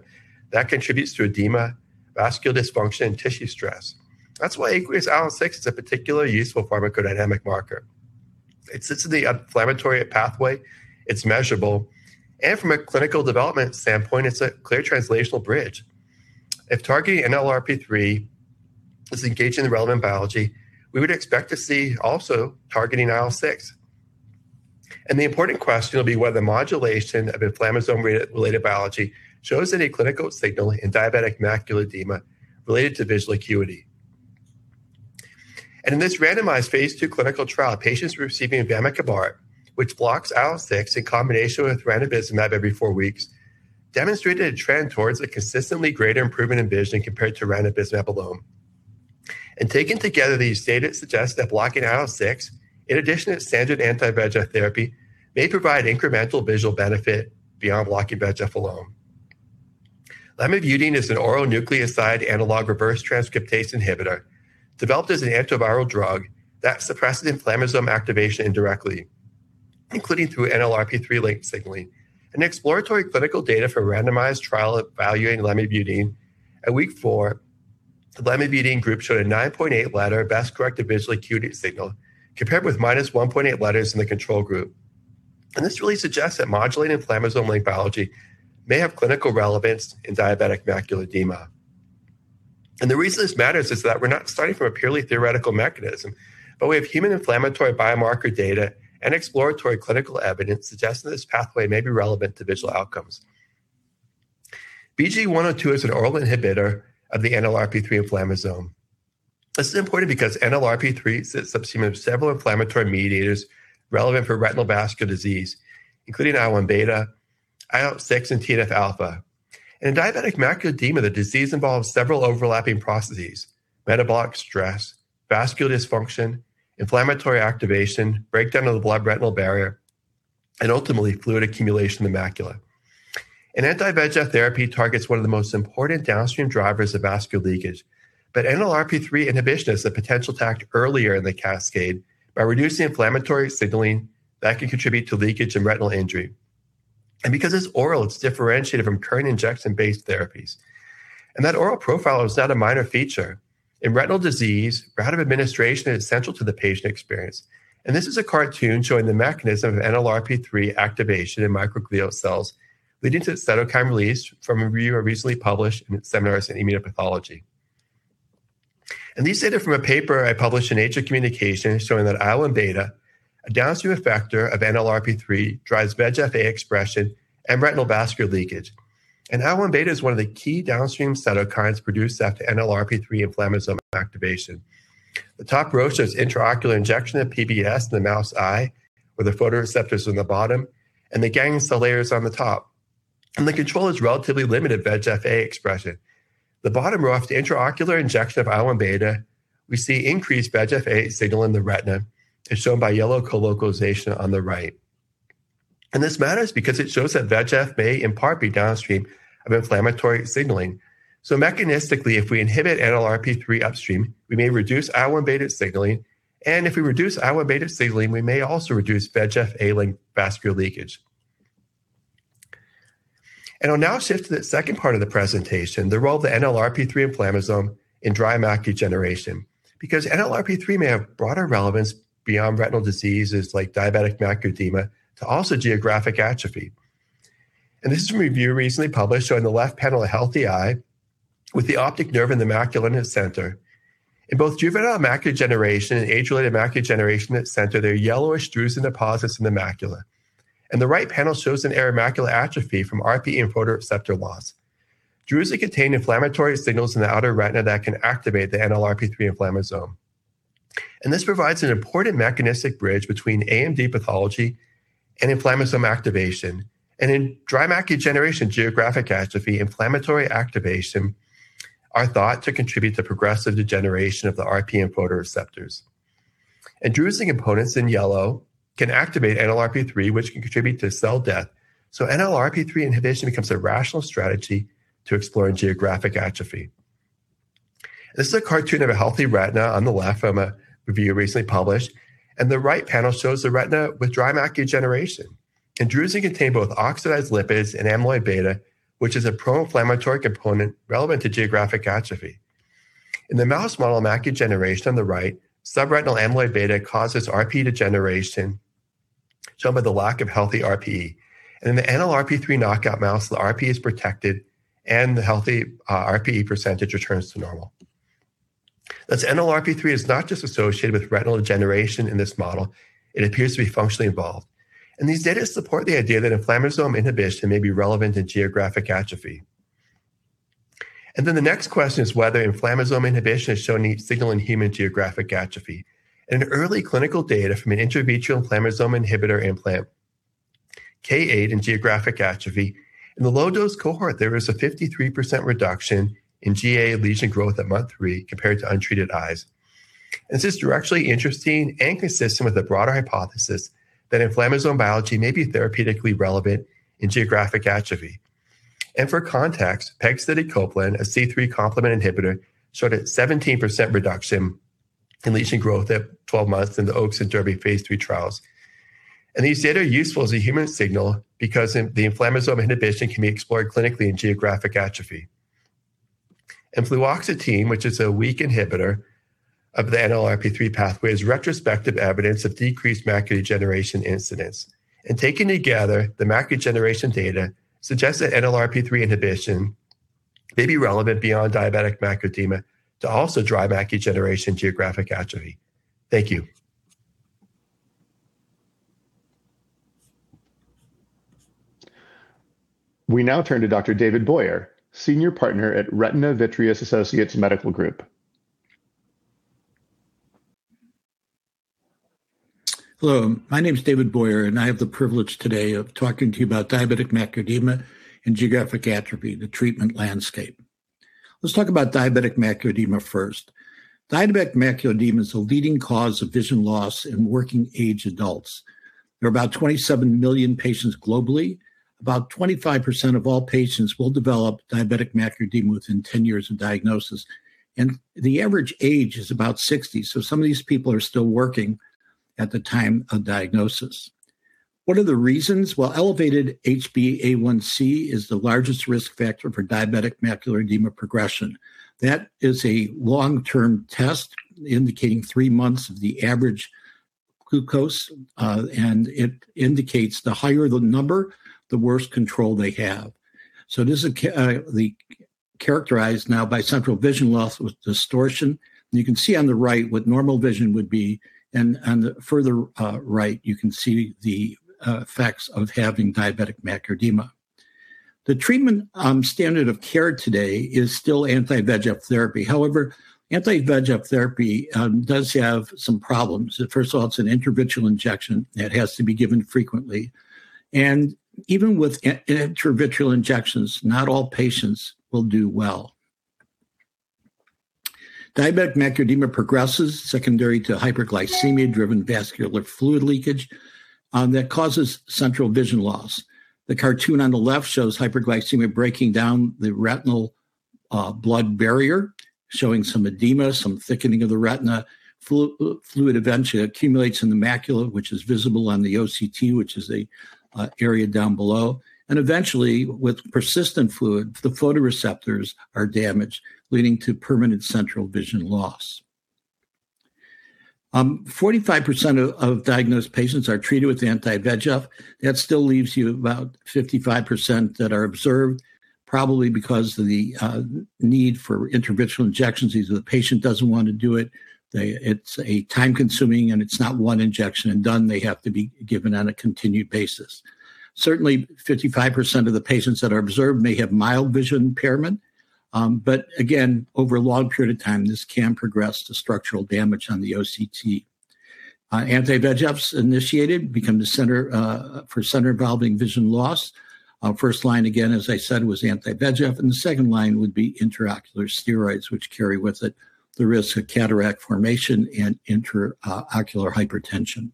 that contributes to edema, vascular dysfunction, and tissue stress. That's why aqueous IL-6 is a particularly useful pharmacodynamic marker. It sits in the inflammatory pathway, it's measurable, and from a clinical development standpoint, it's a clear translational bridge. If targeting NLRP3 is engaging the relevant biology, we would expect to see also targeting IL-6. The important question will be whether modulation of inflammasome-related biology shows any clinical signal in diabetic macular edema related to visual acuity. In this randomized Phase II clinical trial, patients receiving vemurafenib, which blocks IL-6 in combination with ranibizumab every four weeks, demonstrated a trend towards a consistently greater improvement in vision compared to ranibizumab alone. Taken together, these data suggest that blocking IL-6, in addition to standard anti-VEGF therapy, may provide incremental visual benefit beyond blocking VEGF alone. Lamivudine is an oral nucleoside analog reverse transcriptase inhibitor developed as an antiviral drug that suppresses inflammasome activation indirectly, including through NLRP3 link signaling. In exploratory clinical data for a randomized trial evaluating lamivudine, at week four, the lamivudine group showed a 9.8 letter best-corrected visual acuity signal compared with -1.8 letters in the control group. This really suggests that modulating inflammasome-linked biology may have clinical relevance in diabetic macular edema. The reason this matter is that we're not starting from a purely theoretical mechanism, but we have human inflammatory biomarker data and exploratory clinical evidence suggesting this pathway may be relevant to visual outcomes. BGE-102 is an oral inhibitor of the NLRP3 inflammasome. This is important because NLRP3 sits upstream of several inflammatory mediators relevant for retinal vascular disease, including IL-1β, IL-6, and TNF-alpha. In diabetic macular edema, the disease involves several overlapping processes: metabolic stress, vascular dysfunction, inflammatory activation, breakdown of the blood retinal barrier, and ultimately fluid accumulation in the macula. An anti-VEGF therapy targets one of the most important downstream drivers of vascular leakage, but NLRP3 inhibition is a potential attack earlier in the cascade by reducing inflammatory signaling that can contribute to leakage and retinal injury. Because it's oral, it's differentiated from current injection-based therapies, and that oral profile is not a minor feature. In retinal disease, route of administration is central to the patient experience. This is a cartoon showing the mechanism of NLRP3 activation in microglial cells leading to cytokine release from a review I recently published in Seminars in Immunopathology. These data are from a paper I published in Nature Communications showing that IL-1β, a downstream effector of NLRP3, drives VEGF-A expression and retinal vascular leakage. IL-1β is one of the key downstream cytokines produced after NLRP3 inflammasome activation. The top row shows intraocular injection of PBS in the mouse eye, with the photoreceptors on the bottom and the ganglia cell layers on the top. The control has relatively limited VEGF-A expression. The bottom row, after intraocular injection of IL-1β, we see increased VEGF-A signal in the retina, as shown by yellow colocalization on the right. This matters because it shows that VEGF may in part be downstream of inflammatory signaling. Mechanistically, if we inhibit NLRP3 upstream, we may reduce IL-1β signaling, and if we reduce IL-1β signaling, we may also reduce VEGF-A-linked vascular leakage. I'll now shift to the second part of the presentation, the role of the NLRP3 inflammasome in dry macular degeneration, because NLRP3 may have broader relevance beyond retinal diseases like diabetic macular edema to also geographic atrophy. This is a review recently published showing the left panel a healthy eye with the optic nerve and the macula in its center. In both juvenile macular degeneration and age-related macular degeneration at center, there are yellowish drusen deposits in the macula. The right panel shows an area of macular atrophy from RPE and photoreceptor loss. Drusen contain inflammatory signals in the outer retina that can activate the NLRP3 inflammasome. This provides an important mechanistic bridge between AMD pathology and inflammasome activation. In dry macular degeneration, geographic atrophy, inflammatory activation are thought to contribute to progressive degeneration of the RPE and photoreceptors. Drusen components in yellow can activate NLRP3, which can contribute to cell death. NLRP3 inhibition becomes a rational strategy to explore in geographic atrophy. This is a cartoon of a healthy retina on the left from a review recently published, and the right panel shows the retina with dry macular degeneration. Drusen contain both oxidized lipids and amyloid beta, which is a pro-inflammatory component relevant to geographic atrophy. In the mouse model of macular degeneration on the right, subretinal amyloid beta causes RP degeneration, shown by the lack of healthy RPE. In the NLRP3 knockout mouse, the RP is protected and the healthy RPE % returns to normal. Thus, NLRP3 is not just associated with retinal degeneration in this model, it appears to be functionally involved, and these data support the idea that inflammasome inhibition may be relevant in geographic atrophy. The next question is whether inflammasome inhibition is showing a signal in human geographic atrophy. In an early clinical data from an intravitreal inflammasome inhibitor implant, K8 in geographic atrophy. In the low-dose cohort, there is a 53% reduction in GA lesion growth at month three compared to untreated eyes. This is directly interesting and consistent with the broader hypothesis that inflammasome biology may be therapeutically relevant in geographic atrophy. For context, pegcetacoplan, a C3 complement inhibitor, showed a 17% reduction in lesion growth at 12 months in the OAKS and DERBY Phase III trials. These data are useful as a human signal because the inflammasome inhibition can be explored clinically in geographic atrophy. Fluoxetine, which is a weak inhibitor of the NLRP3 pathway, is retrospective evidence of decreased macular degeneration incidence. Taken together, the macular degeneration data suggests that NLRP3 inhibition may be relevant beyond diabetic macular edema to also dry macular degeneration geographic atrophy. Thank you. We now turn to Dr. David Boyer, Senior Partner at Retina-Vitreous Associates Medical Group. Hello, my name is David Boyer. I have the privilege today of talking to you about diabetic macular edema and geographic atrophy, the treatment landscape. Let's talk about diabetic macular edema first. Diabetic macular edema is the leading cause of vision loss in working age adults. There are about 27 million patients globally. About 25% of all patients will develop diabetic macular edema within 10 years of diagnosis, the average age is about 60. Some of these people are still working at the time of diagnosis. What are the reasons? Elevated HbA1c is the largest risk factor for diabetic macular edema progression. That is a long-term test indicating three months of the average glucose, it indicates the higher the number, the worse control they have. This is characterized now by central vision loss with distortion. You can see on the right what normal vision would be, on the further right, you can see the effects of having diabetic macular edema. The treatment, standard of care today is still anti-VEGF therapy. Anti-VEGF therapy does have some problems. First of all, it's an intravitreal injection that has to be given frequently. Even with intravitreal injections, not all patients will do well. Diabetic macular edema progresses secondary to hyperglycemia-driven vascular fluid leakage that causes central vision loss. The cartoon on the left shows hyperglycemia breaking down the retinal blood barrier, showing some edema, some thickening of the retina, fluid eventually accumulates in the macula, which is visible on the OCT, which is a area down below. Eventually, with persistent fluid, the photoreceptors are damaged, leading to permanent central vision loss. 45% of diagnosed patients are treated with anti-VEGF. That still leaves you about 55% that are observed, probably because of the need for intravitreal injections, either the patient doesn't want to do it. It's a time-consuming, and it's not one injection and done. They have to be given on a continued basis. Certainly, 55% of the patients that are observed may have mild vision impairment, again, over a long period of time, this can progress to structural damage on the OCT. Anti-VEGFs initiated become the center for center involving vision loss. First line, again, as I said, was anti-VEGF, the second line would be intraocular steroids, which carry with it the risk of cataract formation and intraocular hypertension.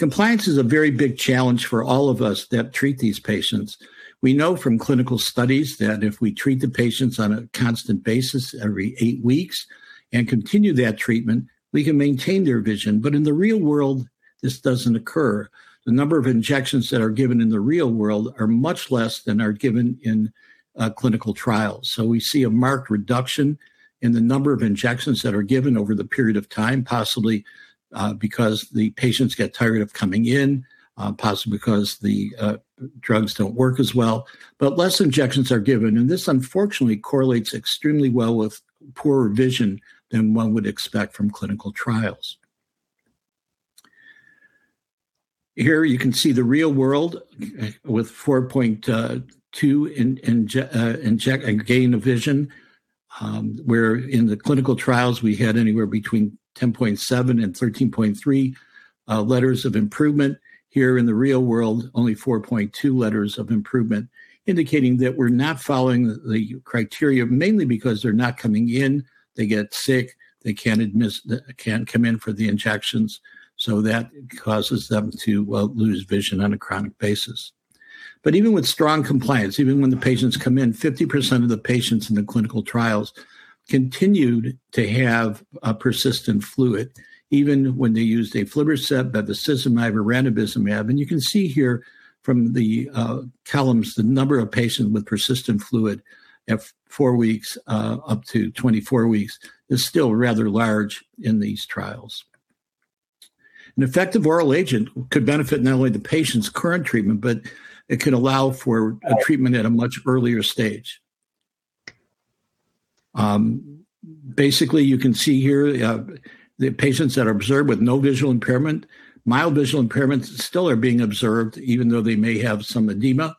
Compliance is a very big challenge for all of us that treat these patients. We know from clinical studies that if we treat the patients on a constant basis every eight weeks and continue that treatment, we can maintain their vision. In the real world, this doesn't occur. The number of injections that are given in the real world are much less than are given in clinical trials. We see a marked reduction in the number of injections that are given over the period of time, possibly because the patients get tired of coming in, possibly because the drugs don't work as well. Less injections are given, and this unfortunately correlates extremely well with poorer vision than one would expect from clinical trials. Here you can see the real world with 4.2 gain of vision, where in the clinical trials we had anywhere between 10.7 and 13.3 letters of improvement. Here in the real world, only 4.2 letters of improvement, indicating that we're not following the criteria, mainly because they're not coming in, they get sick, they can't come in for the injections, so that causes them to, well, lose vision on a chronic basis. Even with strong compliance, even when the patients come in, 50% of the patients in the clinical trials continued to have persistent fluid, even when they used aflibercept, bevacizumab, or ranibizumab. You can see here from the columns, the number of patients with persistent fluid at four weeks, up to 24 weeks is still rather large in these trials. An effective oral agent could benefit not only the patient's current treatment, but it could allow for a treatment at a much earlier stage. Basically, you can see here, the patients that are observed with no visual impairment, mild visual impairments still are being observed, even though they may have some edema,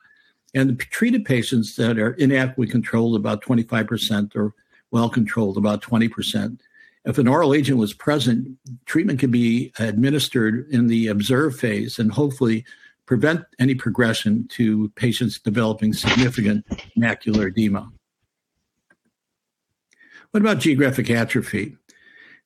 and the treated patients that are inadequately controlled about 25% or well-controlled about 20%. If an oral agent was present, treatment could be administered in the observed phase and hopefully prevent any progression to patients developing significant macular edema. What about geographic atrophy?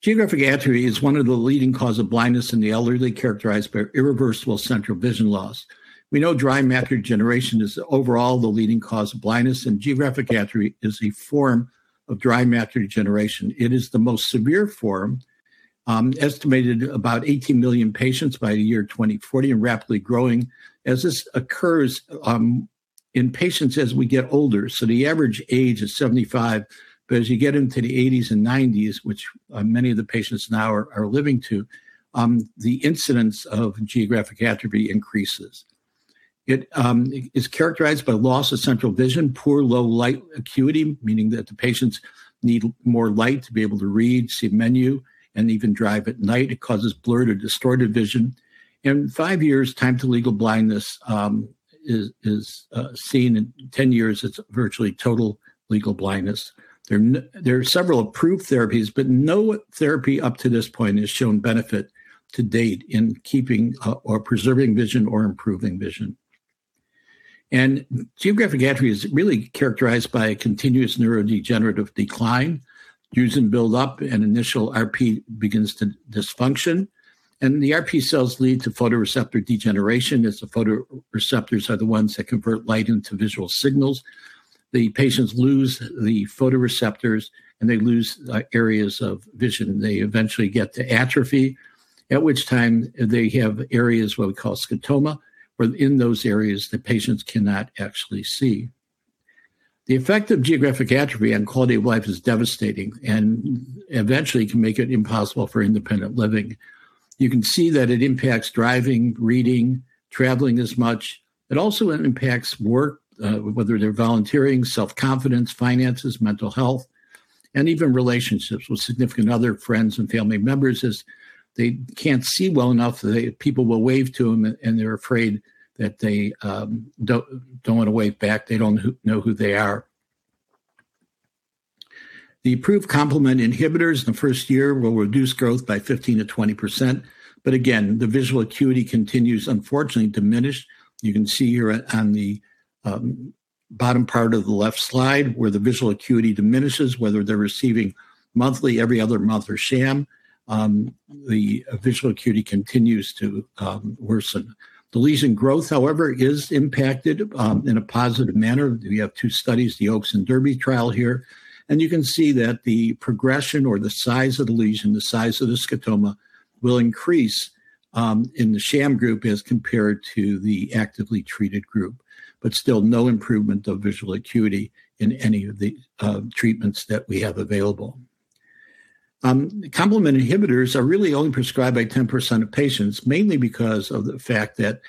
Geographic atrophy is one of the leading cause of blindness in the elderly, characterized by irreversible central vision loss. We know dry macular degeneration is overall the leading cause of blindness, and geographic atrophy is a form of dry macular degeneration. It is the most severe form, estimated about 18 million patients by the year 2040 and rapidly growing as this occurs in patients as we get older. The average age is 75, but as you get into the 80s and 90s, which many of the patients now are living to, the incidence of geographic atrophy increases. It is characterized by loss of central vision, poor low light acuity, meaning that the patients need more light to be able to read, see a menu, and even drive at night. It causes blurred or distorted vision. In five years, time to legal blindness is seen. In 10 years, it's virtually total legal blindness. There are several approved therapies, but no therapy up to this point has shown benefit to date in keeping or preserving vision or improving vision. Geographic atrophy is really characterized by a continuous neurodegenerative decline. Drusen build up and initial RPE begins to dysfunction, the RPE cells lead to photoreceptor degeneration, as the photoreceptors are the ones that convert light into visual signals. The patients lose the photoreceptors, they lose areas of vision. They eventually get to atrophy, at which time they have areas, what we call scotoma, where in those areas the patients cannot actually see. The effect of geographic atrophy on quality of life is devastating and eventually can make it impossible for independent living. You can see that it impacts driving, reading, traveling as much. It also impacts work, whether they're volunteering, self-confidence, finances, mental health, and even relationships with significant other friends and family members, as they can't see well enough. People will wave to them, and they're afraid that they don't want to wave back. They don't know who they are. The approved complement inhibitors in the first year will reduce growth by 15%-20%. Again, the visual acuity continues, unfortunately, to diminish. You can see here at, on the bottom part of the left slide where the visual acuity diminishes, whether they're receiving monthly, every other month or sham, the visual acuity continues to worsen. The lesion growth, however, is impacted in a positive manner. We have two studies, the OAKS and DERBY trial here. You can see that the progression or the size of the lesion, the size of the scotoma will increase in the sham group as compared to the actively treated group. Still no improvement of visual acuity in any of the treatments that we have available. Complement inhibitors are really only prescribed by 10% of patients, mainly because of the fact that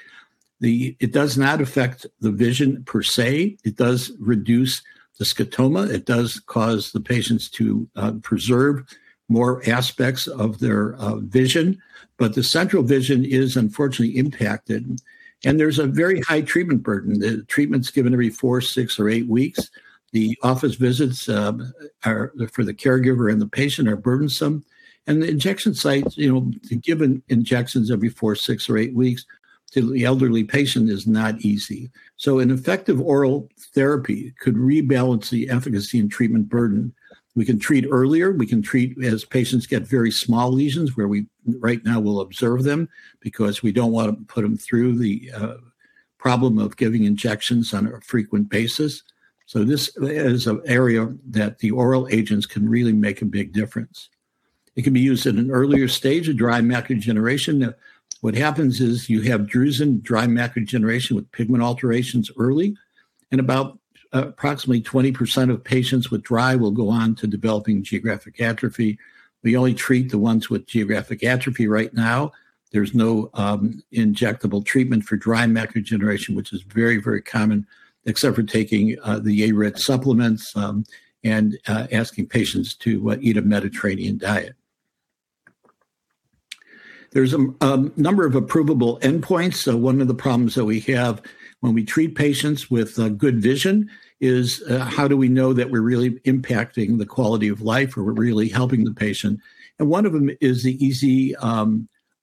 it does not affect the vision per se. It does reduce the scotoma. It does cause the patients to preserve more aspects of their vision. The central vision is unfortunately impacted. There's a very high treatment burden. The treatment's given every 4, 6, or 8 weeks. The office visits for the caregiver and the patient are burdensome. The injection sites, you know, given injections every 4, 6, or 8 weeks to the elderly patient is not easy. An effective oral therapy could rebalance the efficacy and treatment burden. We can treat earlier. We can treat as patients get very small lesions where we right now will observe them because we don't want to put them through the problem of giving injections on a frequent basis. This is an area that the oral agents can really make a big difference. It can be used at an earlier stage of dry macular degeneration. What happens is you have drusen dry macular degeneration with pigment alterations early, and about approximately 20% of patients with dry will go on to developing geographic atrophy. We only treat the ones with geographic atrophy right now. There's no injectable treatment for dry macular degeneration, which is very, very common, except for taking the AREDS supplements, and asking patients to eat a Mediterranean diet. There's a number of approvable endpoints. One of the problems that we have when we treat patients with good vision is how do we know that we're really impacting the quality of life or we're really helping the patient? One of them is the EZ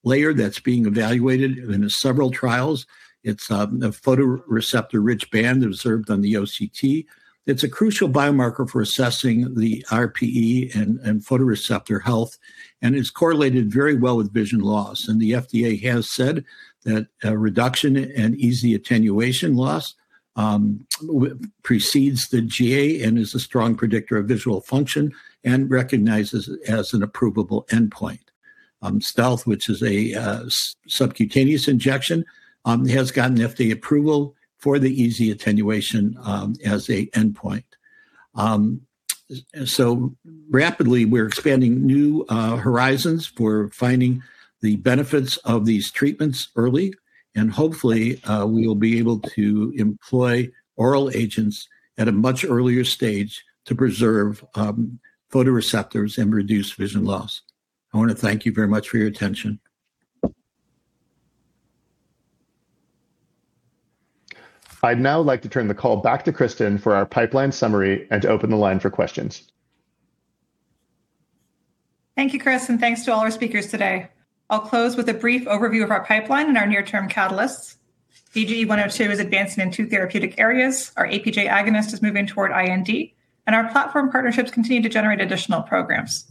layer that's being evaluated in several trials. It's a photoreceptor rich band observed on the OCT. It's a crucial biomarker for assessing the RPE and photoreceptor health, and it's correlated very well with vision loss. The FDA has said that reduction and EZ attenuation loss precedes the GA and is a strong predictor of visual function, and recognizes it as an approvable endpoint. Stealth, which is a subcutaneous injection, has gotten FDA approval for the EZ attenuation as a endpoint. Rapidly, we're expanding new horizons for finding the benefits of these treatments early, and hopefully, we will be able to employ oral agents at a much earlier stage to preserve photoreceptors and reduce vision loss. I want to thank you very much for your attention. I'd now like to turn the call back to Kristen for our pipeline summary and to open the line for questions. Thank you, Chris, and thanks to all our speakers today. I'll close with a brief overview of our pipeline and our near-term catalysts. BGE-102 is advancing in 2 therapeutic areas. Our APJ agonist is moving toward IND, and our platform partnerships continue to generate additional programs.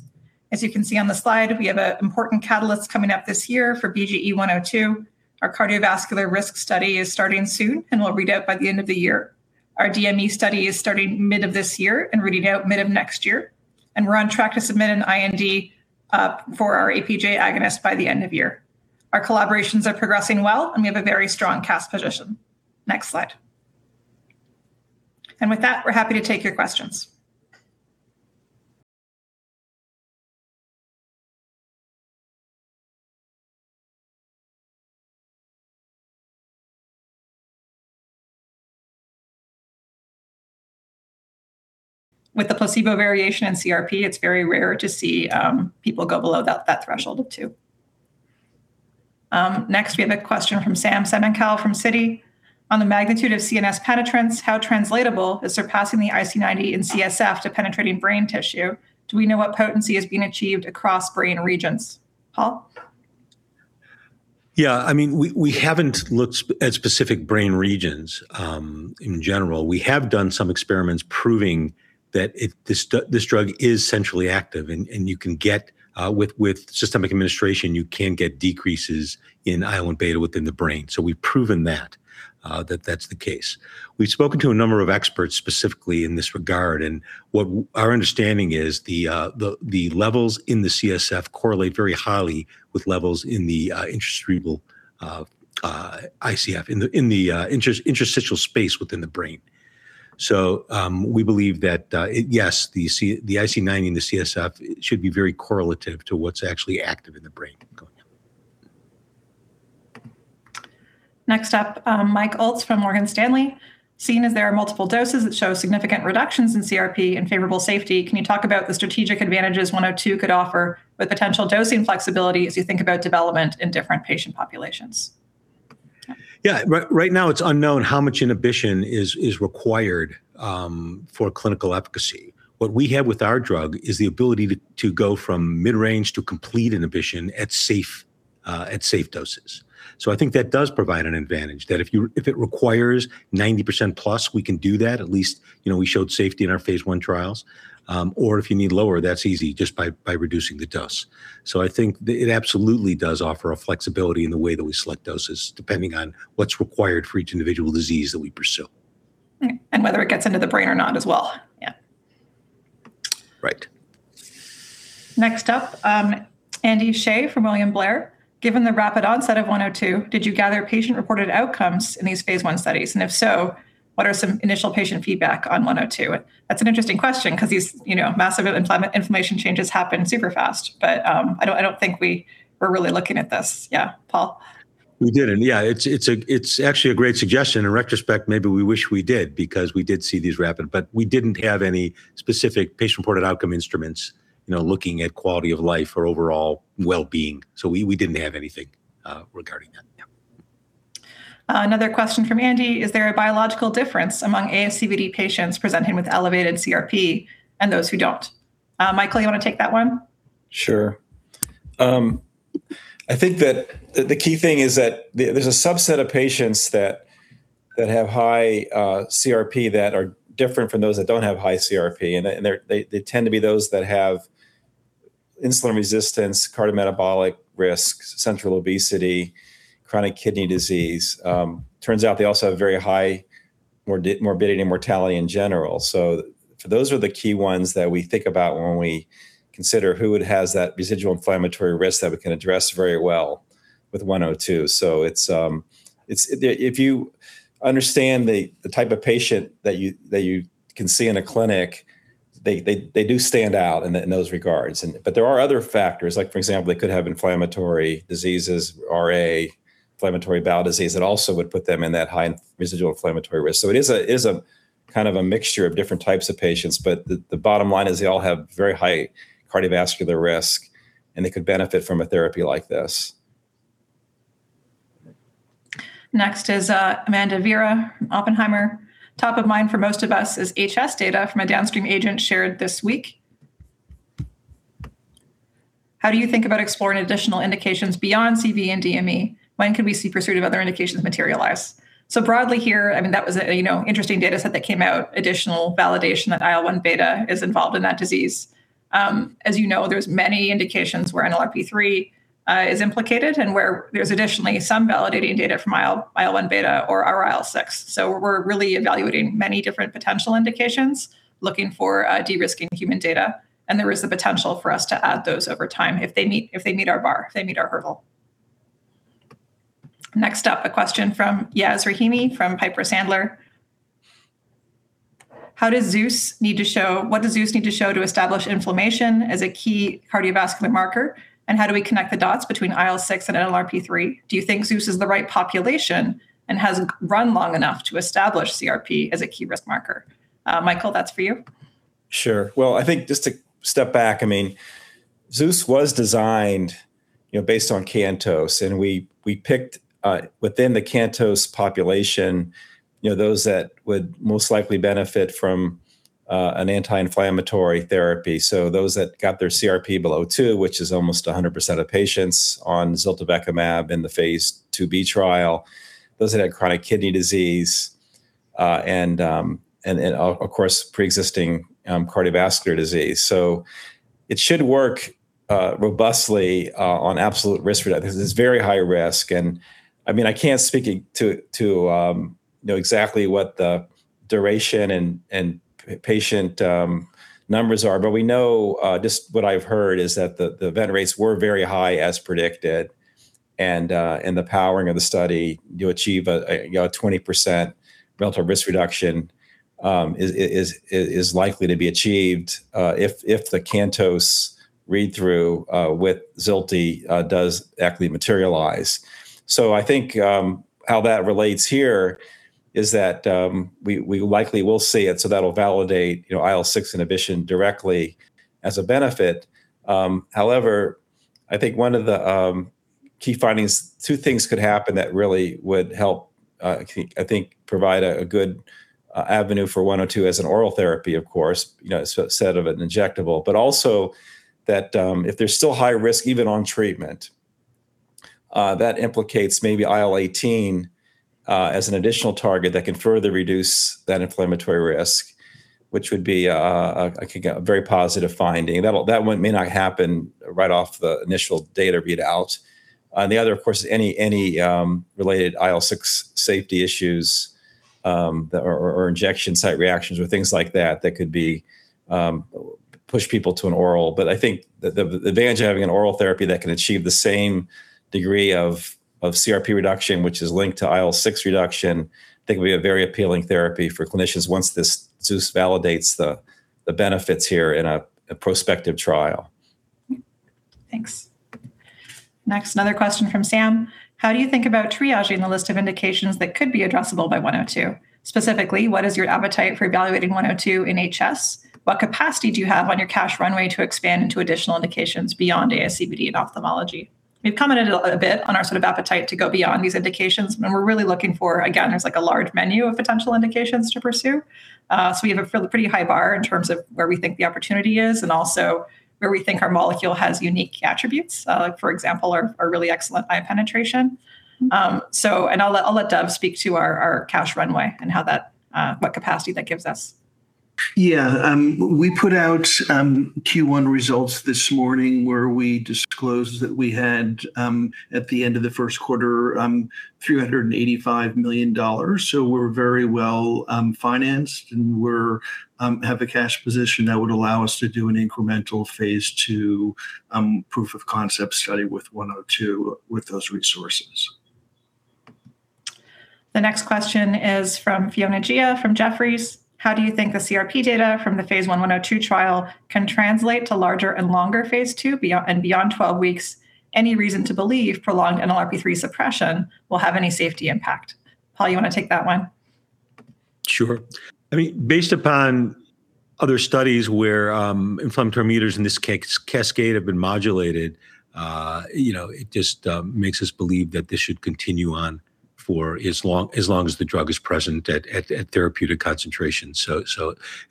As you can see on the slide, we have a important catalyst coming up this year for BGE-102. Our cardiovascular risk study is starting soon, and we'll read out by the end of the year. Our DME study is starting mid of this year and reading out mid of next year, and we're on track to submit an IND for our APJ agonist by the end of year. Our collaborations are progressing well, and we have a very strong cash position. Next slide. With that, we're happy to take your questions. With the placebo variation in CRP, it's very rare to see people go below that threshold of 2. Next, we have a question from Sam Semenkow from Citi. On the magnitude of CNS penetrance, how translatable is surpassing the IC90 in CSF to penetrating brain tissue? Do we know what potency is being achieved across brain regions? Paul? I mean, we haven't looked at specific brain regions, in general. We have done some experiments proving that this drug is centrally active, and you can get, with systemic administration, you can get decreases in IL-1β within the brain. We've proven that that's the case. We've spoken to a number of experts specifically in this regard, and what our understanding is the levels in the CSF correlate very highly with levels in the intra cerebral ISF, in the interstitial space within the brain. We believe that, yes, the IC90 and the CSF should be very correlative to what's actually active in the brain going on. Next up, Michael Ulz from Morgan Stanley. Seeing as there are multiple doses that show significant reductions in CRP and favorable safety, can you talk about the strategic advantages 102 could offer with potential dosing flexibility as you think about development in different patient populations? Yeah. Right now, it's unknown how much inhibition is required for clinical efficacy. What we have with our drug is the ability to go from mid-range to complete inhibition at safe doses. I think that does provide an advantage. That if it requires 90% plus, we can do that, at least, you know, we showed safety in our Phase I trials. If you need lower, that's EZ just by reducing the dose. I think it absolutely does offer a flexibility in the way that we select doses, depending on what's required for each individual disease that we pursue. Whether it gets into the brain or not as well. Yeah. Right. Next up, Andy Hsieh from William Blair. Given the rapid onset of BGE-102, did you gather patient-reported outcomes in these Phase I studies? If so, what are some initial patient feedback on BGE-102? That's an interesting question because these, you know, massive inflammation changes happen super-fast. I don't think we were really looking at this. Yeah. Paul? We didn't. Yeah. It's actually a great suggestion. In retrospect, maybe we wish we did because we did see these rapid. We didn't have any specific patient-reported outcome instruments, you know, looking at quality of life or overall well-being. We didn't have anything regarding that. Yeah. Another question from Andy. Is there a biological difference among ASCVD patients presenting with elevated CRP and those who don't? Michael, you wanna take that one? Sure. I think that the key thing is that there's a subset of patients that have high CRP that are different from those that don't have high CRP. They tend to be those that have insulin resistance, cardiometabolic risks, central obesity, chronic kidney disease. Turns out they also have very high morbidity and mortality in general. Those are the key ones that we think about when we consider who has that residual inflammatory risk that we can address very well with one-oh-two. It's if you understand the type of patient that you can see in a clinic, they do stand out in those regards. There are other factors, like for example, they could have inflammatory diseases, RA, inflammatory bowel disease. It also would put them in that high residual inflammatory risk. It is a kind of a mixture of different types of patients, but the bottom line is they all have very high cardiovascular risk, and they could benefit from a therapy like this. Next is Amanda Vera, Oppenheimer. Top of mind for most of us is HS data from a downstream agent shared this week. How do you think about exploring additional indications beyond CV and DME? When could we see pursuit of other indications materialize? Broadly here, I mean, that was a, you know, interesting data set that came out, additional validation that IL-1β is involved in that disease. As you know, there's many indications where NLRP3 is implicated and where there's additionally some validating data from IL-1β or IL-6. We're really evaluating many different potential indications, looking for de-risking human data, and there is the potential for us to add those over time if they meet our bar, if they meet our hurdle. Next up, a question from Yasmeen Rahimi from Piper Sandler. What does ZEUS need to show to establish inflammation as a key cardiovascular marker? How do we connect the dots between IL-6 and NLRP3? Do you think ZEUS is the right population and has run long enough to establish CRP as a key risk marker? Michael, that's for you. Sure. I think just to step back, I mean, ZEUS was designed, you know, based on CANTOS, and we picked, within the CANTOS population, you know, those that would most likely benefit from an anti-inflammatory therapy. Those that got their CRP below 2, which is almost 100% of patients on ziltivekimab in the Phase II-B trial, those that had chronic kidney disease, and of course, preexisting cardiovascular disease. It should work robustly on absolute risk reduction. This is very high risk, and I mean, I can't speak to, you know, exactly what the duration and patient numbers are. We know what I've heard is that the event rates were very high as predicted, and in the powering of the study, you achieve a, you know, a 20% relative risk reduction is likely to be achieved if the CANTOS read-through with zilte does actually materialize. I think how that relates here is that we likely will see it, so that'll validate, you know, IL-6 inhibition directly as a benefit. However, I think one of the key findings, two things could happen that really would help I think provide a good avenue for 102 as an oral therapy, of course, you know, instead of an injectable. Also that, if there's still high risk even on treatment, that implicates maybe IL-18 as an additional target that can further reduce that inflammatory risk, which would be a very positive finding. That, that one may not happen right off the initial data read out. The other, of course, any related IL-6 safety issues, or injection site reactions or things like that could be push people to an oral. I think the advantage of having an oral therapy that can achieve the same degree of CRP reduction, which is linked to IL-6 reduction, I think would be a very appealing therapy for clinicians once this ZEUS validates the benefits here in a prospective trial. Thanks. Another question from Sam. How do you think about triaging the list of indications that could be addressable by 102? Specifically, what is your appetite for evaluating 102 in HS? What capacity do you have on your cash runway to expand into additional indications beyond ASCVD and ophthalmology? We've commented a bit on our sort of appetite to go beyond these indications. We're really looking for, again, there's like a large menu of potential indications to pursue. We have a pretty high bar in terms of where we think the opportunity is and also where we think our molecule has unique attributes, like for example, our really excellent eye penetration. I'll let Dov speak to our cash runway and how that, what capacity that gives us. Yeah. We put out Q1 results this morning where we disclosed that we had at the end of the first quarter $385 million. We're very well financed, and we're have a cash position that would allow us to do an incremental Phase II proof of concept study with 102 with those resources. The next question is from Fiona Jia from Jefferies. How do you think the CRP data from the Phase I trial can translate to larger and longer Phase II and beyond 12 weeks? Any reason to believe prolonged NLRP3 suppression will have any safety impact? Paul, you wanna take that one? Sure. I mean, based upon other studies where inflammatory mediators in this cascade have been modulated, you know, it just makes us believe that this should continue on for as long as the drug is present at therapeutic concentration. It's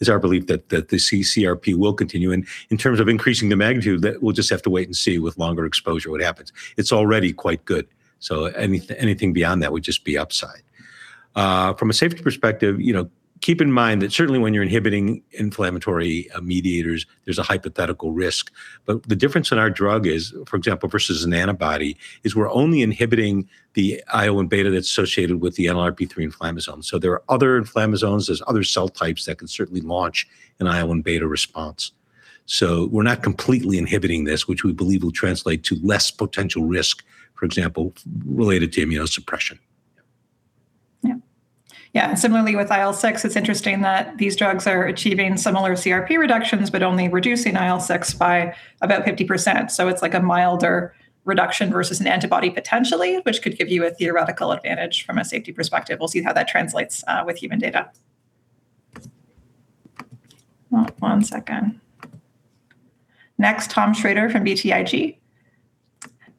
our belief that the CRP will continue. In terms of increasing the magnitude, we'll just have to wait and see with longer exposure what happens. It's already quite good. Anything beyond that would just be upside. From a safety perspective, you know, keep in mind that certainly when you're inhibiting inflammatory mediators, there's a hypothetical risk. The difference in our drug is, for example, versus an antibody, is we're only inhibiting the IL-1β that's associated with the NLRP3 inflammasome. There are other inflammasomes, there's other cell types that can certainly launch an IL-1β response. We're not completely inhibiting this, which we believe will translate to less potential risk, for example, related to immunosuppression Yeah. Yeah, similarly with IL-6, it's interesting that these drugs are achieving similar CRP reductions but only reducing IL-6 by about 50%. It's like a milder reduction versus an antibody potentially, which could give you a theoretical advantage from a safety perspective. We'll see how that translates with human data. One second. Next, Thomas Shrade from BTIG.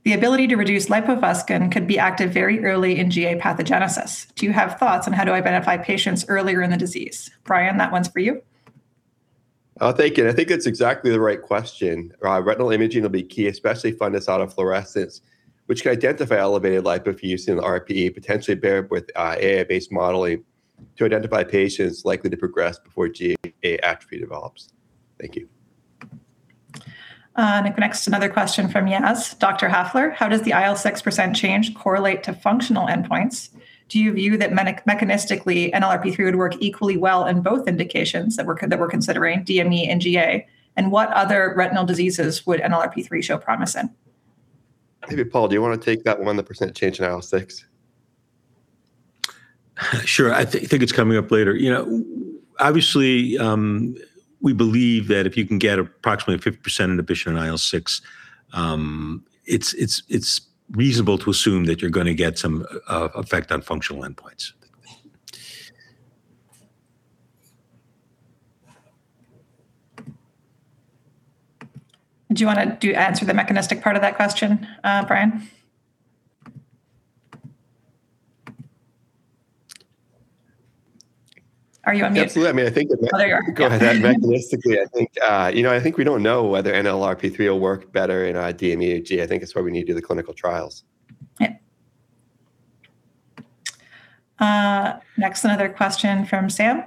The ability to reduce lipofuscin could be active very early in GA pathogenesis. Do you have thoughts on how to identify patients earlier in the disease? Brian, that one's for you. Oh, thank you. I think that's exactly the right question. Retinal imaging will be key, especially fundus autofluorescence, which can identify elevated lipofuscin RPE, potentially paired with AI-based modeling to identify patients likely to progress before GA atrophy develops. Thank you. Next, another question from Yasmeen Rahimi. Dr. Hafler, how does the IL-6 % change correlate to functional endpoints? Do you view that mechanistically, NLRP3 would work equally well in both indications that we're considering, DME and GA? What other retinal diseases would NLRP3 show promise in? Maybe Paul, do you wanna take that one, the % change in IL-6? Sure. I think it's coming up later. You know, obviously, we believe that if you can get approximately 50% inhibition in IL-6, it's reasonable to assume that you're gonna get some effect on functional endpoints. Do you wanna do answer the mechanistic part of that question, Brian? Are you on mute? Absolutely. Oh, there you are. Yeah. mechanistically, I think, you know, I think we don't know whether NLRP3 will work better in DME or GA. I think it's why we need to do the clinical trials. Yeah. Next, another question from Sam.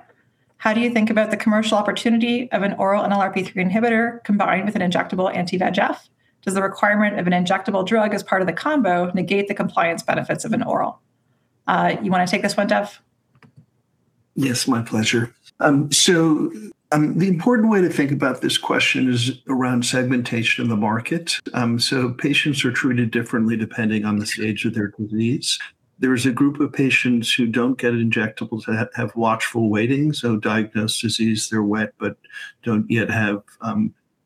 How do you think about the commercial opportunity of an oral NLRP3 inhibitor combined with an injectable anti-VEGF? Does the requirement of an injectable drug as part of the combo negate the compliance benefits of an oral? You wanna take this one, Dov? Yes, my pleasure. The important way to think about this question is around segmentation of the market. Patients are treated differently depending on the stage of their disease. There is a group of patients who don't get injectables that have watchful waiting, so diagnosed disease, they're wet, but don't yet have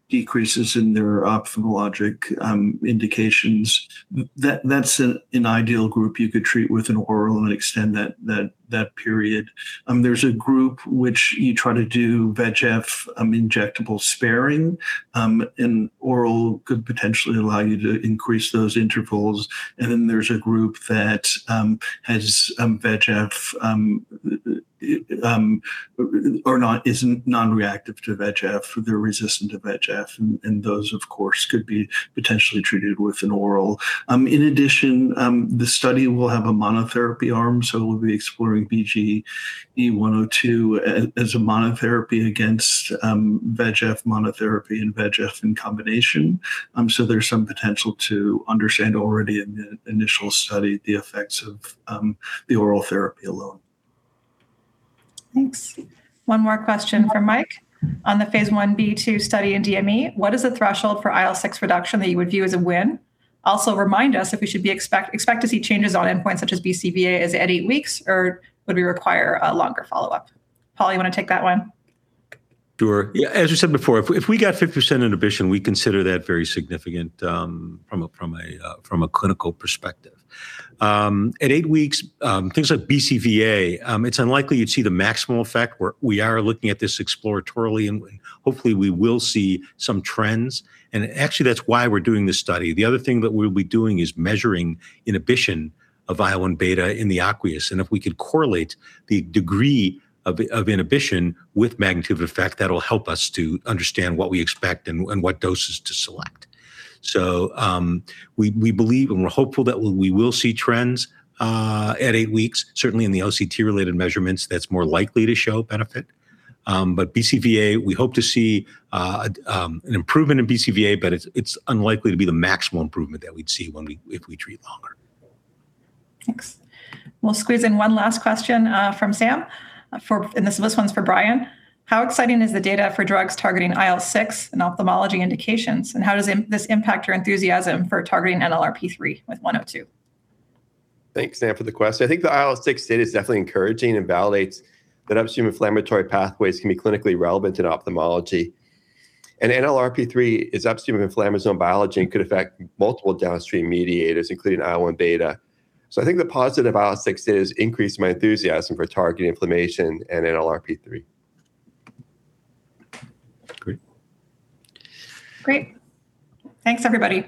decreases in their ophthalmologic indications. That's an ideal group you could treat with an oral and extend that period. There's a group which you try to do VEGF injectable-sparing, and oral could potentially allow you to increase those intervals. There's a group that has VEGF or not, is non-reactive to VEGF, or they're resistant to VEGF. Those, of course, could be potentially treated with an oral. In addition, the study will have a monotherapy arm, so we'll be exploring BGE-102 as a monotherapy against VEGF monotherapy and VEGF in combination. There's some potential to understand already in the initial study the effects of the oral therapy alone. Thanks. One more question from Mike. On the Phase I-A/I-B/II study in DME, what is the threshold for IL-6 reduction that you would view as a win? Remind us if we should expect to see changes on endpoints such as BCVA as at eight weeks, or would we require a longer follow-up? Paul, you wanna take that one? Sure. Yeah, as you said before, if we got 50% inhibition, we consider that very significant from a clinical perspective. At eight weeks, things like BCVA, it's unlikely you'd see the maximal effect. We are looking at this exploratorily, and hopefully we will see some trends. Actually, that's why we're doing this study. The other thing that we'll be doing is measuring inhibition of IL-1β in the aqueous, and if we could correlate the degree of inhibition with magnitude effect, that'll help us to understand what we expect and what doses to select. We believe, and we're hopeful that we will see trends at eight weeks. Certainly, in the OCT-related measurements, that's more likely to show benefit. BCVA, we hope to see an improvement in BCVA, but it's unlikely to be the maximal improvement that we'd see when we, if we treat longer. Thanks. We'll squeeze in one last question, from Sam. This one's for Brian. How exciting is the data for drugs targeting IL-6 in ophthalmology indications, and how does this impact your enthusiasm for targeting NLRP3 with 102? Thanks, Sam, for the question. I think the IL-6 data is definitely encouraging and validates that upstream inflammatory pathways can be clinically relevant in ophthalmology. NLRP3 is upstream of inflammasome biology and could affect multiple downstream mediators, including IL-1β. I think the positive IL-6 data has increased my enthusiasm for targeting inflammation and NLRP3. Great. Great. Thanks, everybody.